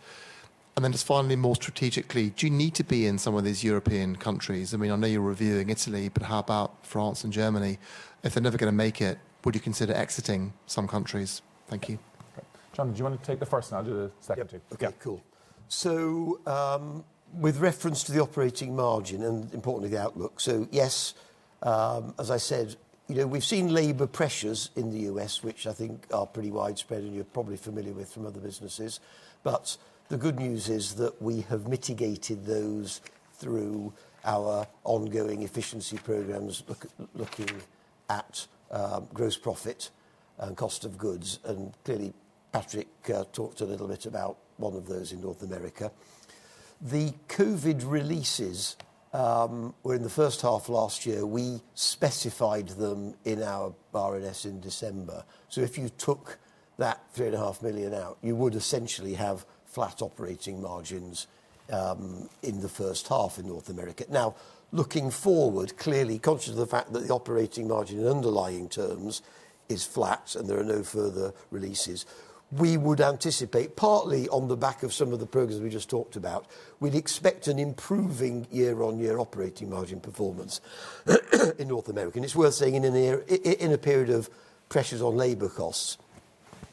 Then just finally, more strategically, do you need to be in some of these European countries? I mean, I know you're reviewing Italy, but how about France and Germany? If they're never going to make it, would you consider exiting some countries? Thank you. Jonathan, do you want to take the first and I'll do the second too? Okay. Cool. With reference to the operating margin and, importantly, the outlook. Yes, as I said, we have seen labor pressures in the U.S., which I think are pretty widespread and you are probably familiar with from other businesses. The good news is that we have mitigated those through our ongoing efficiency programs looking at gross profit and cost of goods. Clearly, Patrick talked a little bit about one of those in North America. The COVID releases were in the first half last year. We specified them in our R&S in December. If you took that 3.5 million out, you would essentially have flat operating margins in the first half in North America. Now, looking forward, clearly conscious of the fact that the operating margin in underlying terms is flat and there are no further releases, we would anticipate partly on the back of some of the programs we just talked about, we'd expect an improving year-on-year operating margin performance in North America. It is worth saying in a period of pressures on labor costs,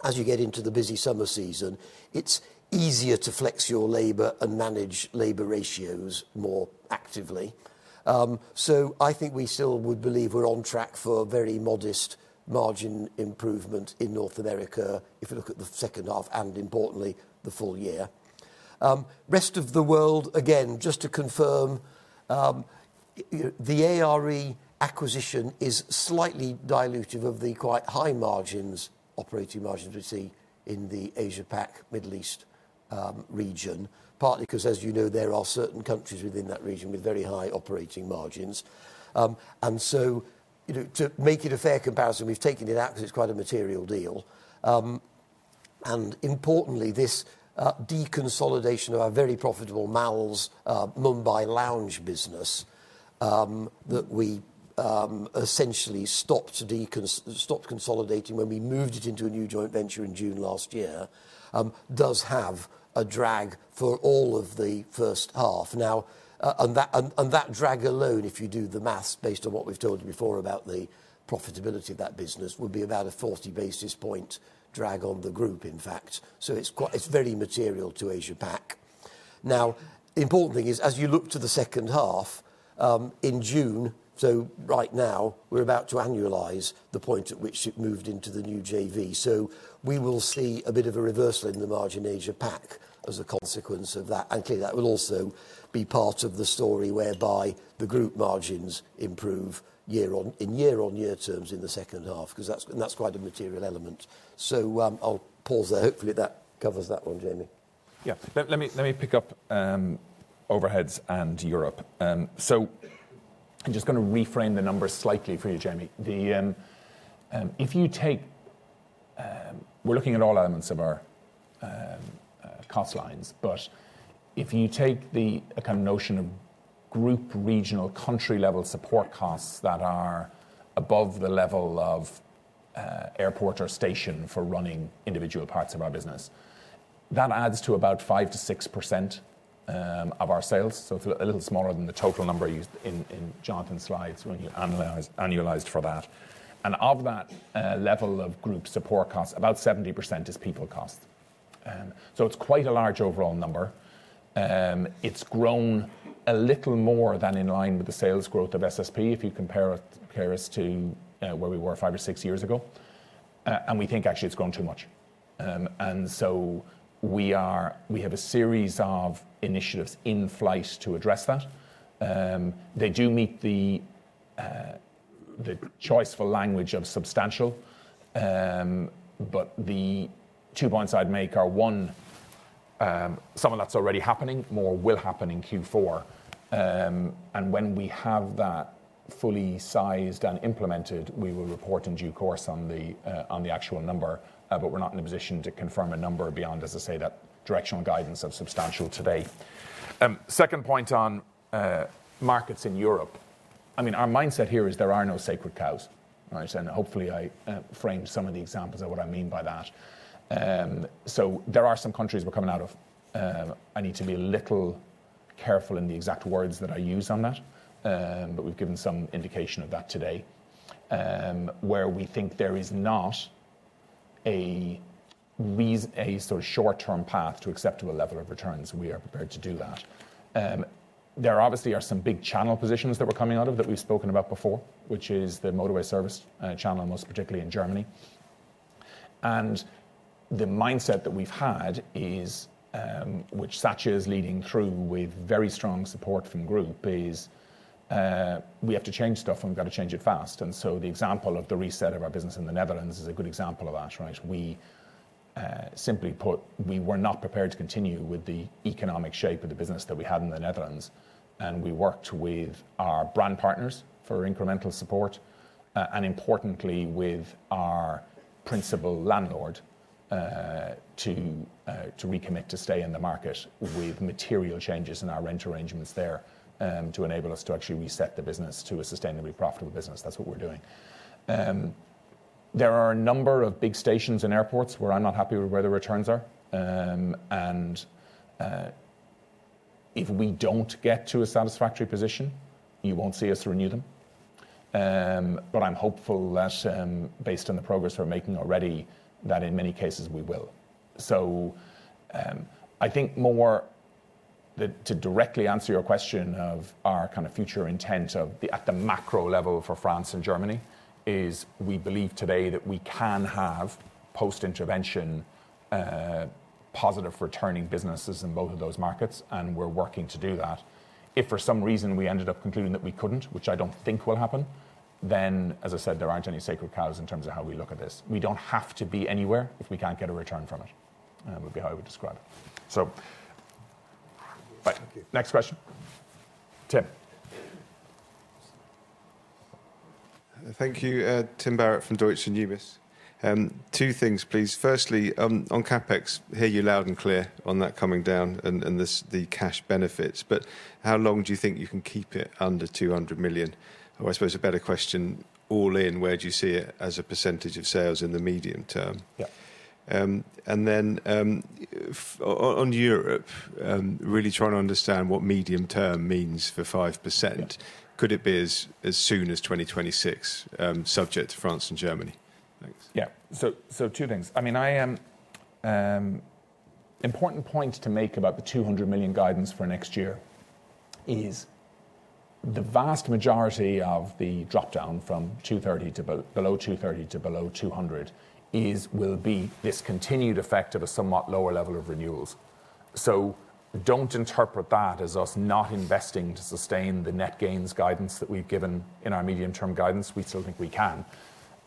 as you get into the busy summer season, it is easier to flex your labor and manage labor ratios more actively. I think we still would believe we're on track for a very modest margin improvement in North America if you look at the second half and importantly, the full year. Rest of the world, again, just to confirm, the ARE acquisition is slightly dilutive of the quite high margins, operating margins we see in the Asia-Pac, Middle East region, partly because, as you know, there are certain countries within that region with very high operating margins. To make it a fair comparison, we've taken it out because it's quite a material deal. Importantly, this deconsolidation of our very profitable Mall's Mumbai lounge business that we essentially stopped consolidating when we moved it into a new joint venture in June last year does have a drag for all of the first half. That drag alone, if you do the maths based on what we've told you before about the profitability of that business, would be about a 40 basis point drag on the group, in fact. It is very material to Asia-Pac. Now, the important thing is, as you look to the second half in June, right now, we're about to annualize the point at which it moved into the new JV. We will see a bit of a reversal in the margin Asia-Pac as a consequence of that. Clearly, that will also be part of the story whereby the group margins improve year-on-year terms in the second half, and that's quite a material element. I'll pause there. Hopefully, that covers that one, Jamie. Yeah. Let me pick up overheads and Europe. I'm just going to reframe the numbers slightly for you, Jamie. If you take we're looking at all elements of our cost lines, but if you take the kind of notion of group, regional, country-level support costs that are above the level of airport or station for running individual parts of our business, that adds to about 5%-6% of our sales. It's a little smaller than the total number used in Jonathan's slides when you annualized for that. Of that level of group support costs, about 70% is people cost. It's quite a large overall number. It's grown a little more than in line with the sales growth of SSP if you compare us to where we were five or six years ago. We think actually it's grown too much. We have a series of initiatives in flight to address that. They do meet the choice for language of substantial, but the two points I'd make are, one, some of that's already happening, more will happen in Q4. When we have that fully sized and implemented, we will report in due course on the actual number, but we're not in a position to confirm a number beyond, as I say, that directional guidance of substantial today. Second point on markets in Europe, I mean, our mindset here is there are no sacred cows. Hopefully, I framed some of the examples of what I mean by that. There are some countries we're coming out of. I need to be a little careful in the exact words that I use on that, but we have given some indication of that today, where we think there is not a sort of short-term path to acceptable level of returns. We are prepared to do that. There obviously are some big channel positions that we are coming out of that we have spoken about before, which is the motorway service channel, most particularly in Germany. The mindset that we have had, which Satya is leading through with very strong support from group, is we have to change stuff and we have got to change it fast. The example of the reset of our business in the Netherlands is a good example of that, right? Simply put, we were not prepared to continue with the economic shape of the business that we had in the Netherlands. We worked with our brand partners for incremental support and, importantly, with our principal landlord to recommit to stay in the market with material changes in our rent arrangements there to enable us to actually reset the business to a sustainably profitable business. That is what we are doing. There are a number of big stations and airports where I am not happy with where the returns are. If we do not get to a satisfactory position, you will not see us renew them. I am hopeful that based on the progress we are making already, in many cases we will. I think, more to directly answer your question of our kind of future intent at the macro level for France and Germany, we believe today that we can have post-intervention positive returning businesses in both of those markets, and we are working to do that. If for some reason we ended up concluding that we could not, which I do not think will happen, then, as I said, there are not any sacred cows in terms of how we look at this. We do not have to be anywhere if we cannot get a return from it. That would be how I would describe it. Next question. Tim. Thank you. Tim Barrett from Deutsche Numis. Two things, please. Firstly, on CapEx, I hear you loud and clear on that coming down and the cash benefits, but how long do you think you can keep it under 200 million? Or I suppose a better question, all in, where do you see it as a percentage of sales in the medium term? Yeah. On Europe, really trying to understand what medium term means for 5%. Could it be as soon as 2026, subject to France and Germany? Yeah. Two things. I mean, an important point to make about the 200 million guidance for next year is the vast majority of the dropdown from 230 million to below 200 million will be this continued effect of a somewhat lower level of renewals. Do not interpret that as us not investing to sustain the net gains guidance that we have given in our medium-term guidance. We still think we can.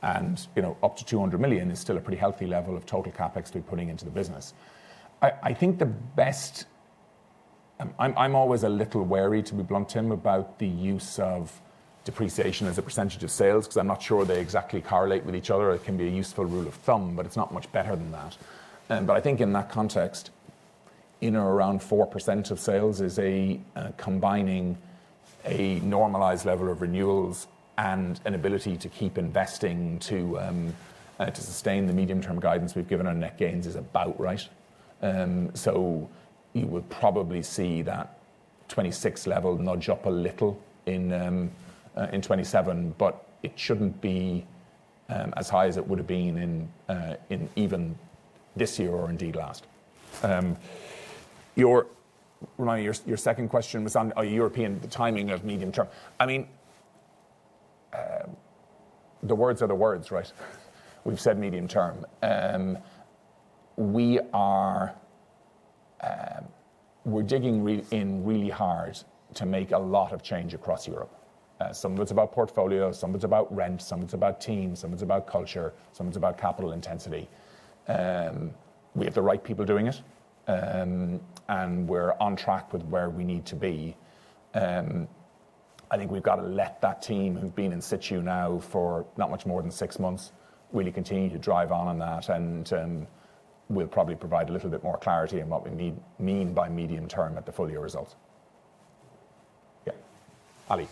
Up to 200 million is still a pretty healthy level of total CapEx we are putting into the business. I think the best, I am always a little wary, to be blunt, Tim, about the use of depreciation as a percentage of sales because I am not sure they exactly correlate with each other. It can be a useful rule of thumb, but it is not much better than that. I think in that context, in or around 4% of sales is combining a normalized level of renewals and an ability to keep investing to sustain the medium-term guidance we've given our net gains is about right. You would probably see that 2026 level nudge up a little in 2027, but it shouldn't be as high as it would have been in even this year or indeed last. Your second question was on the timing of medium term. I mean, the words are the words, right? We've said medium term. We're digging in really hard to make a lot of change across Europe. Some of it's about portfolio, some of it's about rent, some of it's about team, some of it's about culture, some of it's about capital intensity. We have the right people doing it, and we're on track with where we need to be. I think we've got to let that team who've been in situ now for not much more than six months really continue to drive on on that. We'll probably provide a little bit more clarity on what we mean by medium term at the full year result. Yeah. Ali.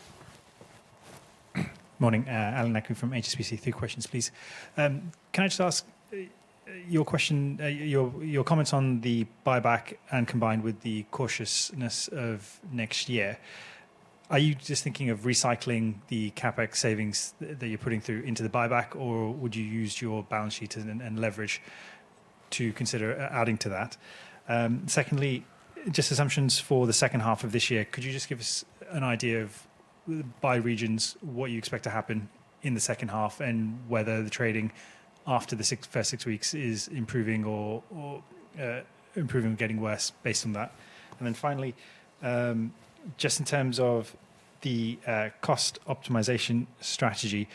Morning. [Alan Echo] from HSBC. Three questions, please. Can I just ask your comments on the buyback and combined with the cautiousness of next year? Are you just thinking of recycling the CapEx savings that you're putting through into the buyback, or would you use your balance sheet and leverage to consider adding to that? Secondly, just assumptions for the second half of this year, could you just give us an idea of by regions what you expect to happen in the second half and whether the trading after the first six weeks is improving or getting worse based on that? And then finally, just in terms of the cost optimization strategy,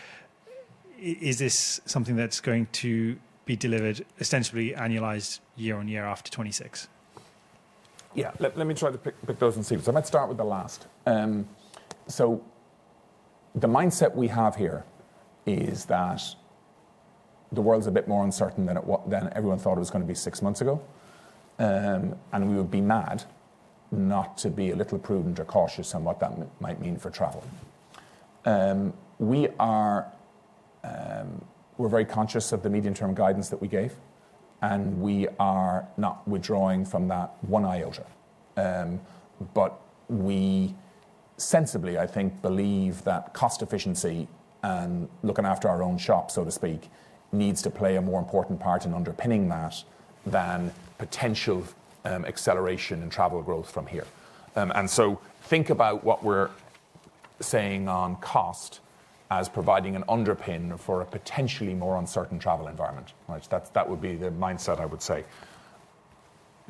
is this something that's going to be delivered ostensibly annualized year on year after 2026? Yeah. Let me try to pick those in sequence. I might start with the last. The mindset we have here is that the world's a bit more uncertain than everyone thought it was going to be six months ago. We would be mad not to be a little prudent or cautious on what that might mean for travel. We're very conscious of the medium-term guidance that we gave, and we are not withdrawing from that one iota. We sensibly, I think, believe that cost efficiency and looking after our own shop, so to speak, needs to play a more important part in underpinning that than potential acceleration in travel growth from here. Think about what we're saying on cost as providing an underpin for a potentially more uncertain travel environment. That would be the mindset, I would say.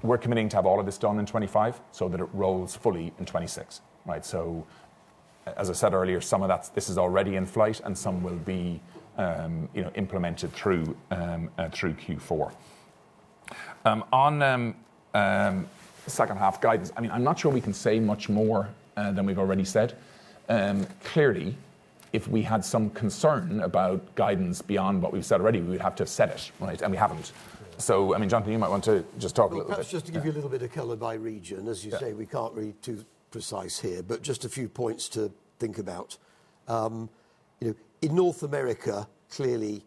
We're committing to have all of this done in 2025 so that it rolls fully in 2026. As I said earlier, some of this is already in flight, and some will be implemented through Q4. On second half guidance, I mean, I'm not sure we can say much more than we've already said. Clearly, if we had some concern about guidance beyond what we've said already, we would have to set it, and we haven't. I mean, Jonathan, you might want to just talk a little bit. Just to give you a little bit of color by region, as you say, we can't read too precise here, but just a few points to think about. In North America, clearly,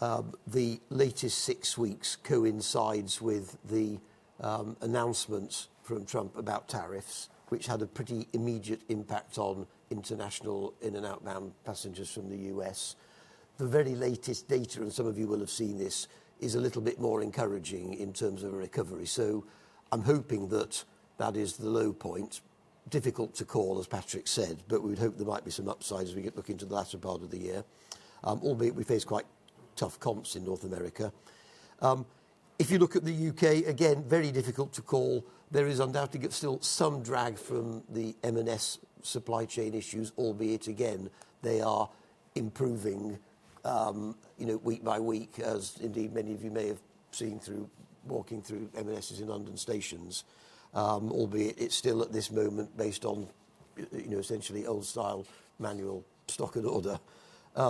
the latest six weeks coincides with the announcements from Trump about tariffs, which had a pretty immediate impact on international in- and outbound passengers from the U.S. The very latest data, and some of you will have seen this, is a little bit more encouraging in terms of a recovery. I am hoping that that is the low point. Difficult to call, as Patrick said, but we would hope there might be some upside as we get looking to the latter part of the year, albeit we face quite tough comps in North America. If you look at the U.K., again, very difficult to call. There is undoubtedly still some drag from the M&S supply chain issues, albeit, again, they are improving week by week, as indeed many of you may have seen through walking through M&S's in London stations, albeit it's still at this moment based on essentially old-style manual stock and order. We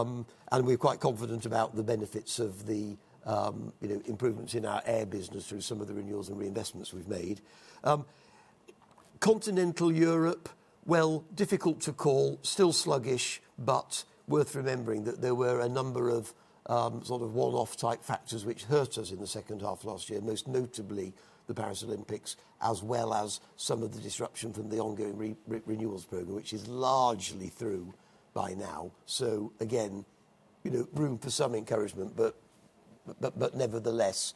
are quite confident about the benefits of the improvements in our air business through some of the renewals and reinvestments we have made. Continental Europe is difficult to call, still sluggish, but worth remembering that there were a number of sort of one-off type factors which hurt us in the second half last year, most notably the Paris Olympics, as well as some of the disruption from the ongoing renewals program, which is largely through by now. Again, room for some encouragement, but nevertheless,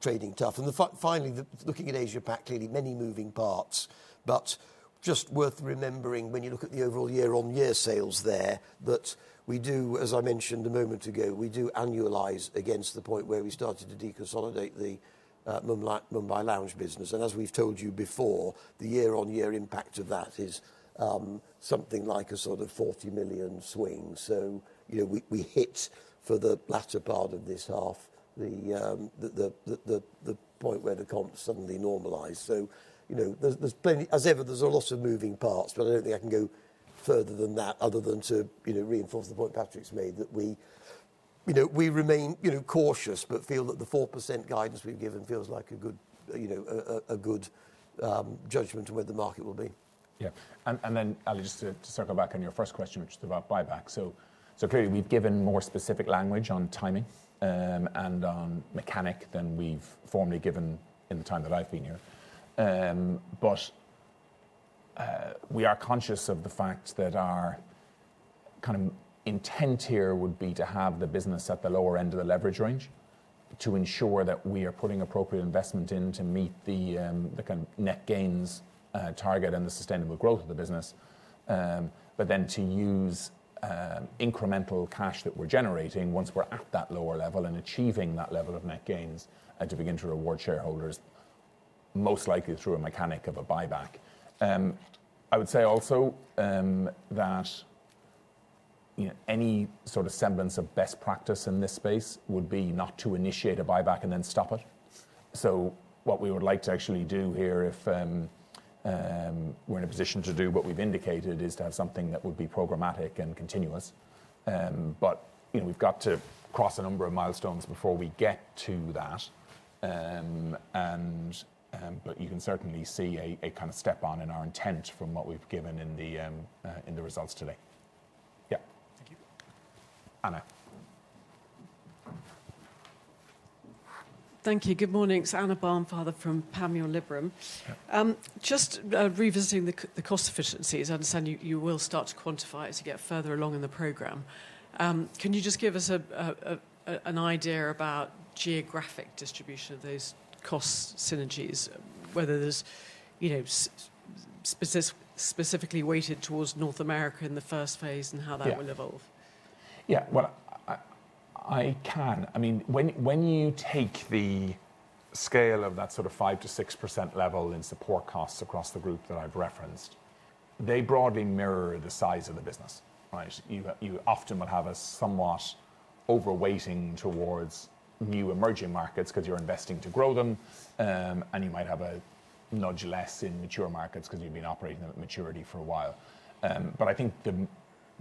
trading tough. Finally, looking at Asia PAC, clearly many moving parts, but just worth remembering when you look at the overall year-on-year sales there that we do, as I mentioned a moment ago, we do annualize against the point where we started to deconsolidate the Mumbai lounge business. As we have told you before, the year-on-year impact of that is something like a sort of 40 million swing. We hit for the latter part of this half the point where the comps suddenly normalize. As ever, there is a lot of moving parts, but I do not think I can go further than that other than to reinforce the point Patrick has made that we remain cautious, but feel that the 4% guidance we have given feels like a good judgment of where the market will be. Yeah. And then, Ali, just to circle back on your first question, which is about buyback. Clearly, we've given more specific language on timing and on mechanic than we've formally given in the time that I've been here. We are conscious of the fact that our kind of intent here would be to have the business at the lower end of the leverage range to ensure that we are putting appropriate investment in to meet the kind of net gains target and the sustainable growth of the business, but then to use incremental cash that we're generating once we're at that lower level and achieving that level of net gains and to begin to reward shareholders, most likely through a mechanic of a buyback. I would say also that any sort of semblance of best practice in this space would be not to initiate a buyback and then stop it. What we would like to actually do here if we're in a position to do what we've indicated is to have something that would be programmatic and continuous. We have to cross a number of milestones before we get to that. You can certainly see a kind of step on in our intent from what we've given in the results today. Yeah. Thank you. Anna. Thank you. Good morning. Anna Barnfather from Panmure Liberum. Just revisiting the cost efficiencies, I understand you will start to quantify as you get further along in the program. Can you just give us an idea about geographic distribution of those cost synergies, whether they're specifically weighted towards North America in the first phase and how that will evolve? Yeah. I can. I mean, when you take the scale of that sort of 5%-6% level in support costs across the group that I have referenced, they broadly mirror the size of the business. You often will have a somewhat overweighting towards new emerging markets because you are investing to grow them, and you might have a nudge less in mature markets because you have been operating at maturity for a while. I think the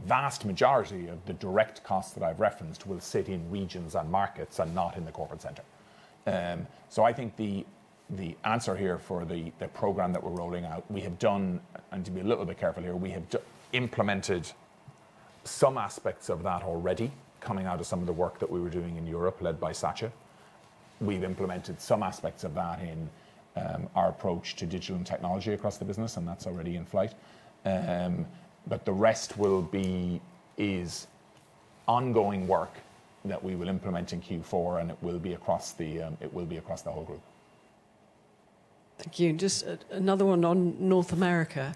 vast majority of the direct costs that I have referenced will sit in regions and markets and not in the corporate center. I think the answer here for the program that we are rolling out, we have done, and to be a little bit careful here, we have implemented some aspects of that already coming out of some of the work that we were doing in Europe led by Satya. We've implemented some aspects of that in our approach to digital and technology across the business, and that's already in flight. The rest will be ongoing work that we will implement in Q4, and it will be across the whole group. Thank you. Just another one on North America.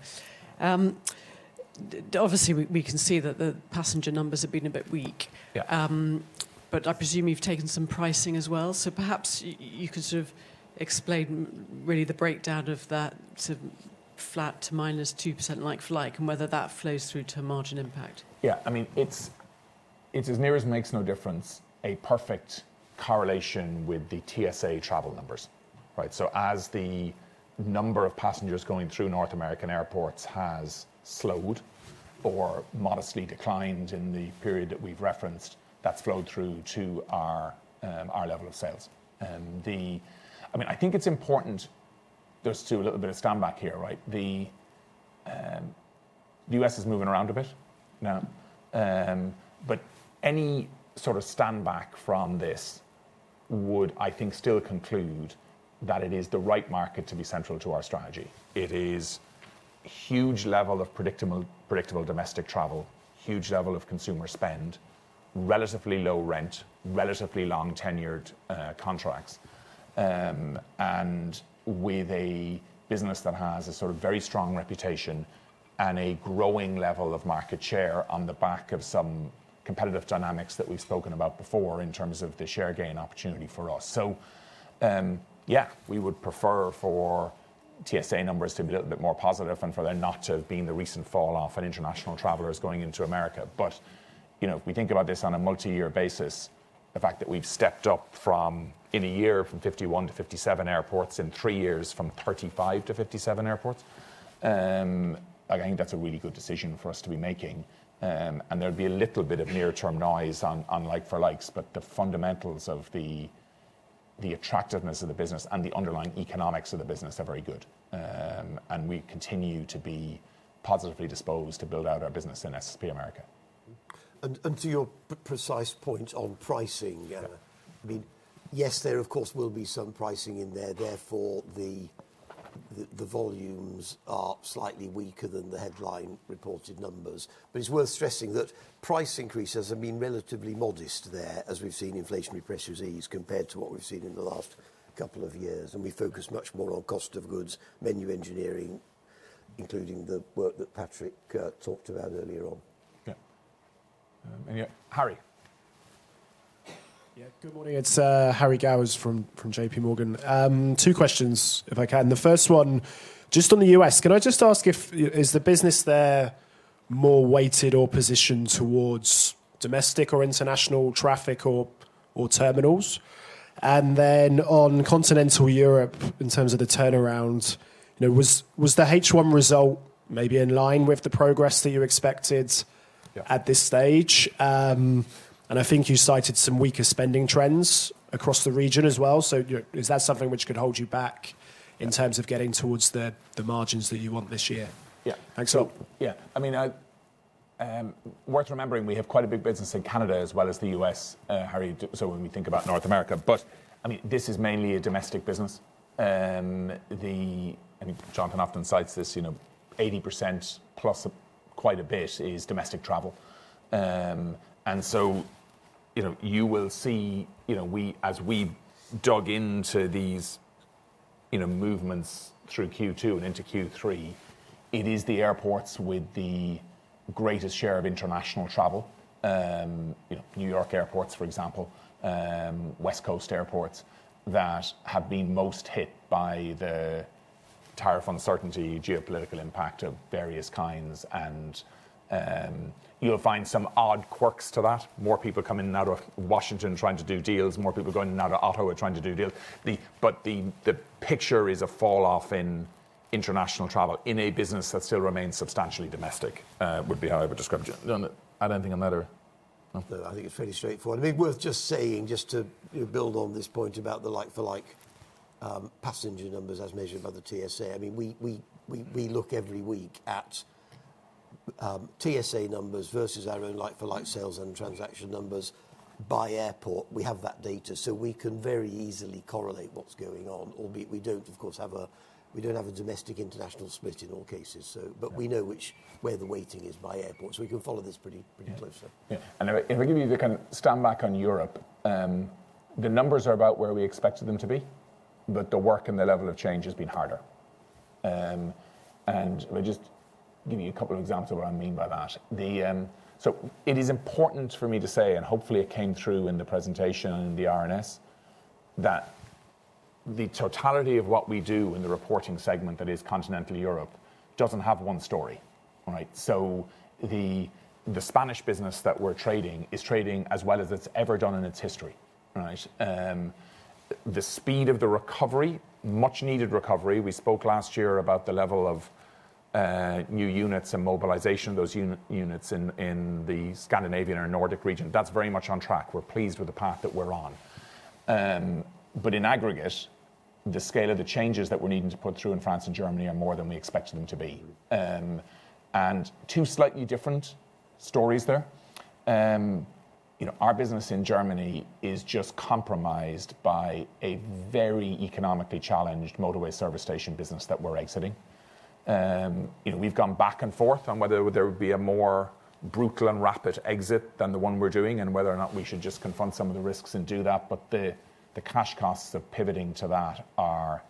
Obviously, we can see that the passenger numbers have been a bit weak, but I presume you've taken some pricing as well. Perhaps you could sort of explain really the breakdown of that sort of flat to -2% like-for-like and whether that flows through to margin impact. Yeah. I mean, it's as near as makes no difference, a perfect correlation with the TSA travel numbers. As the number of passengers going through North American airports has slowed or modestly declined in the period that we've referenced, that's flowed through to our level of sales. I mean, I think it's important just to do a little bit of stand back here. The U.S. is moving around a bit now, but any sort of stand back from this would, I think, still conclude that it is the right market to be central to our strategy. It is a huge level of predictable domestic travel, huge level of consumer spend, relatively low rent, relatively long tenured contracts, and with a business that has a sort of very strong reputation and a growing level of market share on the back of some competitive dynamics that we've spoken about before in terms of the share gain opportunity for us. Yeah, we would prefer for TSA numbers to be a little bit more positive and for there not to have been the recent falloff in international travelers going into America. If we think about this on a multi-year basis, the fact that we've stepped up from in a year from 51 to 57 airports in three years from 35 to 57 airports, I think that's a really good decision for us to be making. There would be a little bit of near-term noise on like-for-likes, but the fundamentals of the attractiveness of the business and the underlying economics of the business are very good. We continue to be positively disposed to build out our business in SSP America. To your precise point on pricing, I mean, yes, there, of course, will be some pricing in there. Therefore, the volumes are slightly weaker than the headline reported numbers. It is worth stressing that price increases have been relatively modest there, as we have seen inflationary pressures ease compared to what we have seen in the last couple of years. We focus much more on cost of goods, menu engineering, including the work that Patrick talked about earlier on. Yeah. Anyway, Harry. Yeah. Good morning. It's Harry Gowers from J.P. Morgan Two questions, if I can. The first one, just on the U.S., can I just ask if is the business there more weighted or positioned towards domestic or international traffic or terminals? On continental Europe in terms of the turnaround, was the H1 result maybe in line with the progress that you expected at this stage? I think you cited some weaker spending trends across the region as well. Is that something which could hold you back in terms of getting towards the margins that you want this year? Yeah. Thanks a lot. Yeah. I mean, worth remembering, we have quite a big business in Canada as well as the U.S., Harry, so when we think about North America. I mean, this is mainly a domestic business. Jonathan often cites this, 80% plus quite a bit is domestic travel. You will see as we dig into these movements through Q2 and into Q3, it is the airports with the greatest share of international travel, New York airports, for example, West Coast airports that have been most hit by the tariff uncertainty, geopolitical impact of various kinds. You'll find some odd quirks to that. More people coming out of Washington trying to do deals. More people going out of Ottawa trying to do deals. The picture is a falloff in international travel in a business that still remains substantially domestic would be how I would describe it. I don't think I'm that or. I think it's fairly straightforward. I mean, worth just saying, just to build on this point about the like-for-like passenger numbers as measured by the TSA, I mean, we look every week at TSA numbers versus our own like-for-like sales and transaction numbers by airport. We have that data. So we can very easily correlate what's going on, albeit we don't, of course, have a domestic international split in all cases. But we know where the weighting is by airport. So we can follow this pretty closely. Yeah. If I give you the kind of stand back on Europe, the numbers are about where we expected them to be, but the work and the level of change has been harder. I'll just give you a couple of examples of what I mean by that. It is important for me to say, and hopefully it came through in the presentation and the R&S, that the totality of what we do in the reporting segment that is continental Europe does not have one story. The Spanish business that we are trading is trading as well as it has ever done in its history. The speed of the recovery, much needed recovery, we spoke last year about the level of new units and mobilization, those units in the Scandinavian or Nordic region, that is very much on track. We are pleased with the path that we are on. In aggregate, the scale of the changes that we're needing to put through in France and Germany are more than we expected them to be. Two slightly different stories there. Our business in Germany is just compromised by a very economically challenged motorway service station business that we're exiting. We've gone back and forth on whether there would be a more brutal and rapid exit than the one we're doing and whether or not we should just confront some of the risks and do that. The cash costs of pivoting to that are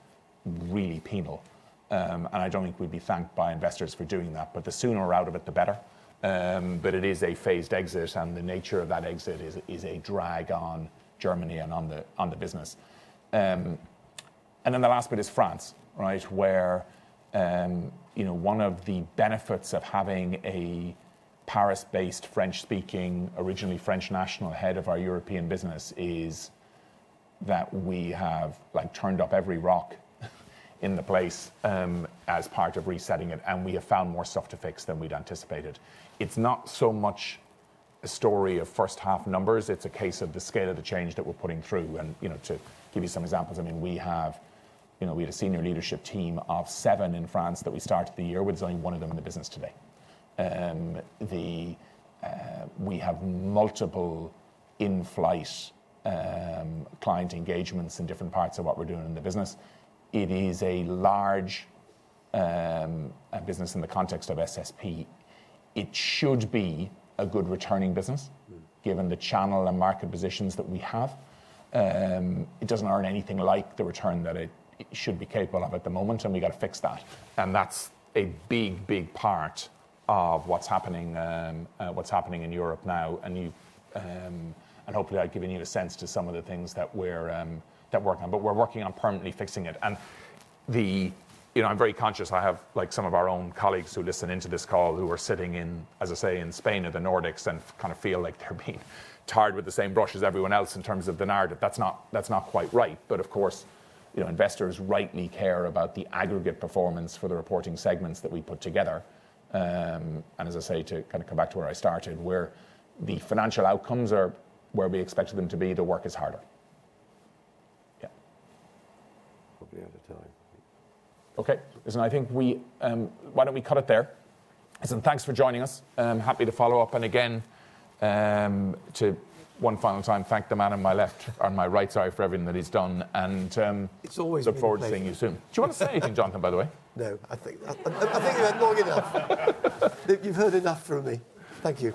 really penal. I don't think we'd be thanked by investors for doing that, but the sooner we're out of it, the better. It is a phased exit, and the nature of that exit is a drag on Germany and on the business. The last bit is France, where one of the benefits of having a Paris-based, French-speaking, originally French national head of our European business is that we have turned up every rock in the place as part of resetting it, and we have found more stuff to fix than we'd anticipated. It's not so much a story of first half numbers. It's a case of the scale of the change that we're putting through. To give you some examples, I mean, we have a senior leadership team of seven in France that we started the year with. There's only one of them in the business today. We have multiple in-flight client engagements in different parts of what we're doing in the business. It is a large business in the context of SSP. It should be a good returning business given the channel and market positions that we have. It does not earn anything like the return that it should be capable of at the moment, and we got to fix that. That is a big, big part of what is happening in Europe now. Hopefully, I have given you a sense to some of the things that we are working on. We are working on permanently fixing it. I am very conscious I have some of our own colleagues who listen into this call who are sitting in, as I say, in Spain or the Nordics and kind of feel like they are being tired with the same brush as everyone else in terms of the narrative. That is not quite right. Of course, investors rightly care about the aggregate performance for the reporting segments that we put together. As I say, to kind of come back to where I started, where the financial outcomes are where we expected them to be, the work is harder. Yeah. We will be able to tell you. Okay. Listen, I think why do we not cut it there? Listen, thanks for joining us. Happy to follow up. And again, to one final time, thank the man on my right side for everything that he has done. I look forward to seeing you soon. Do you want to say anything, Jonathan, by the way? No. I think we've had long enough. You've heard enough from me. Thank you.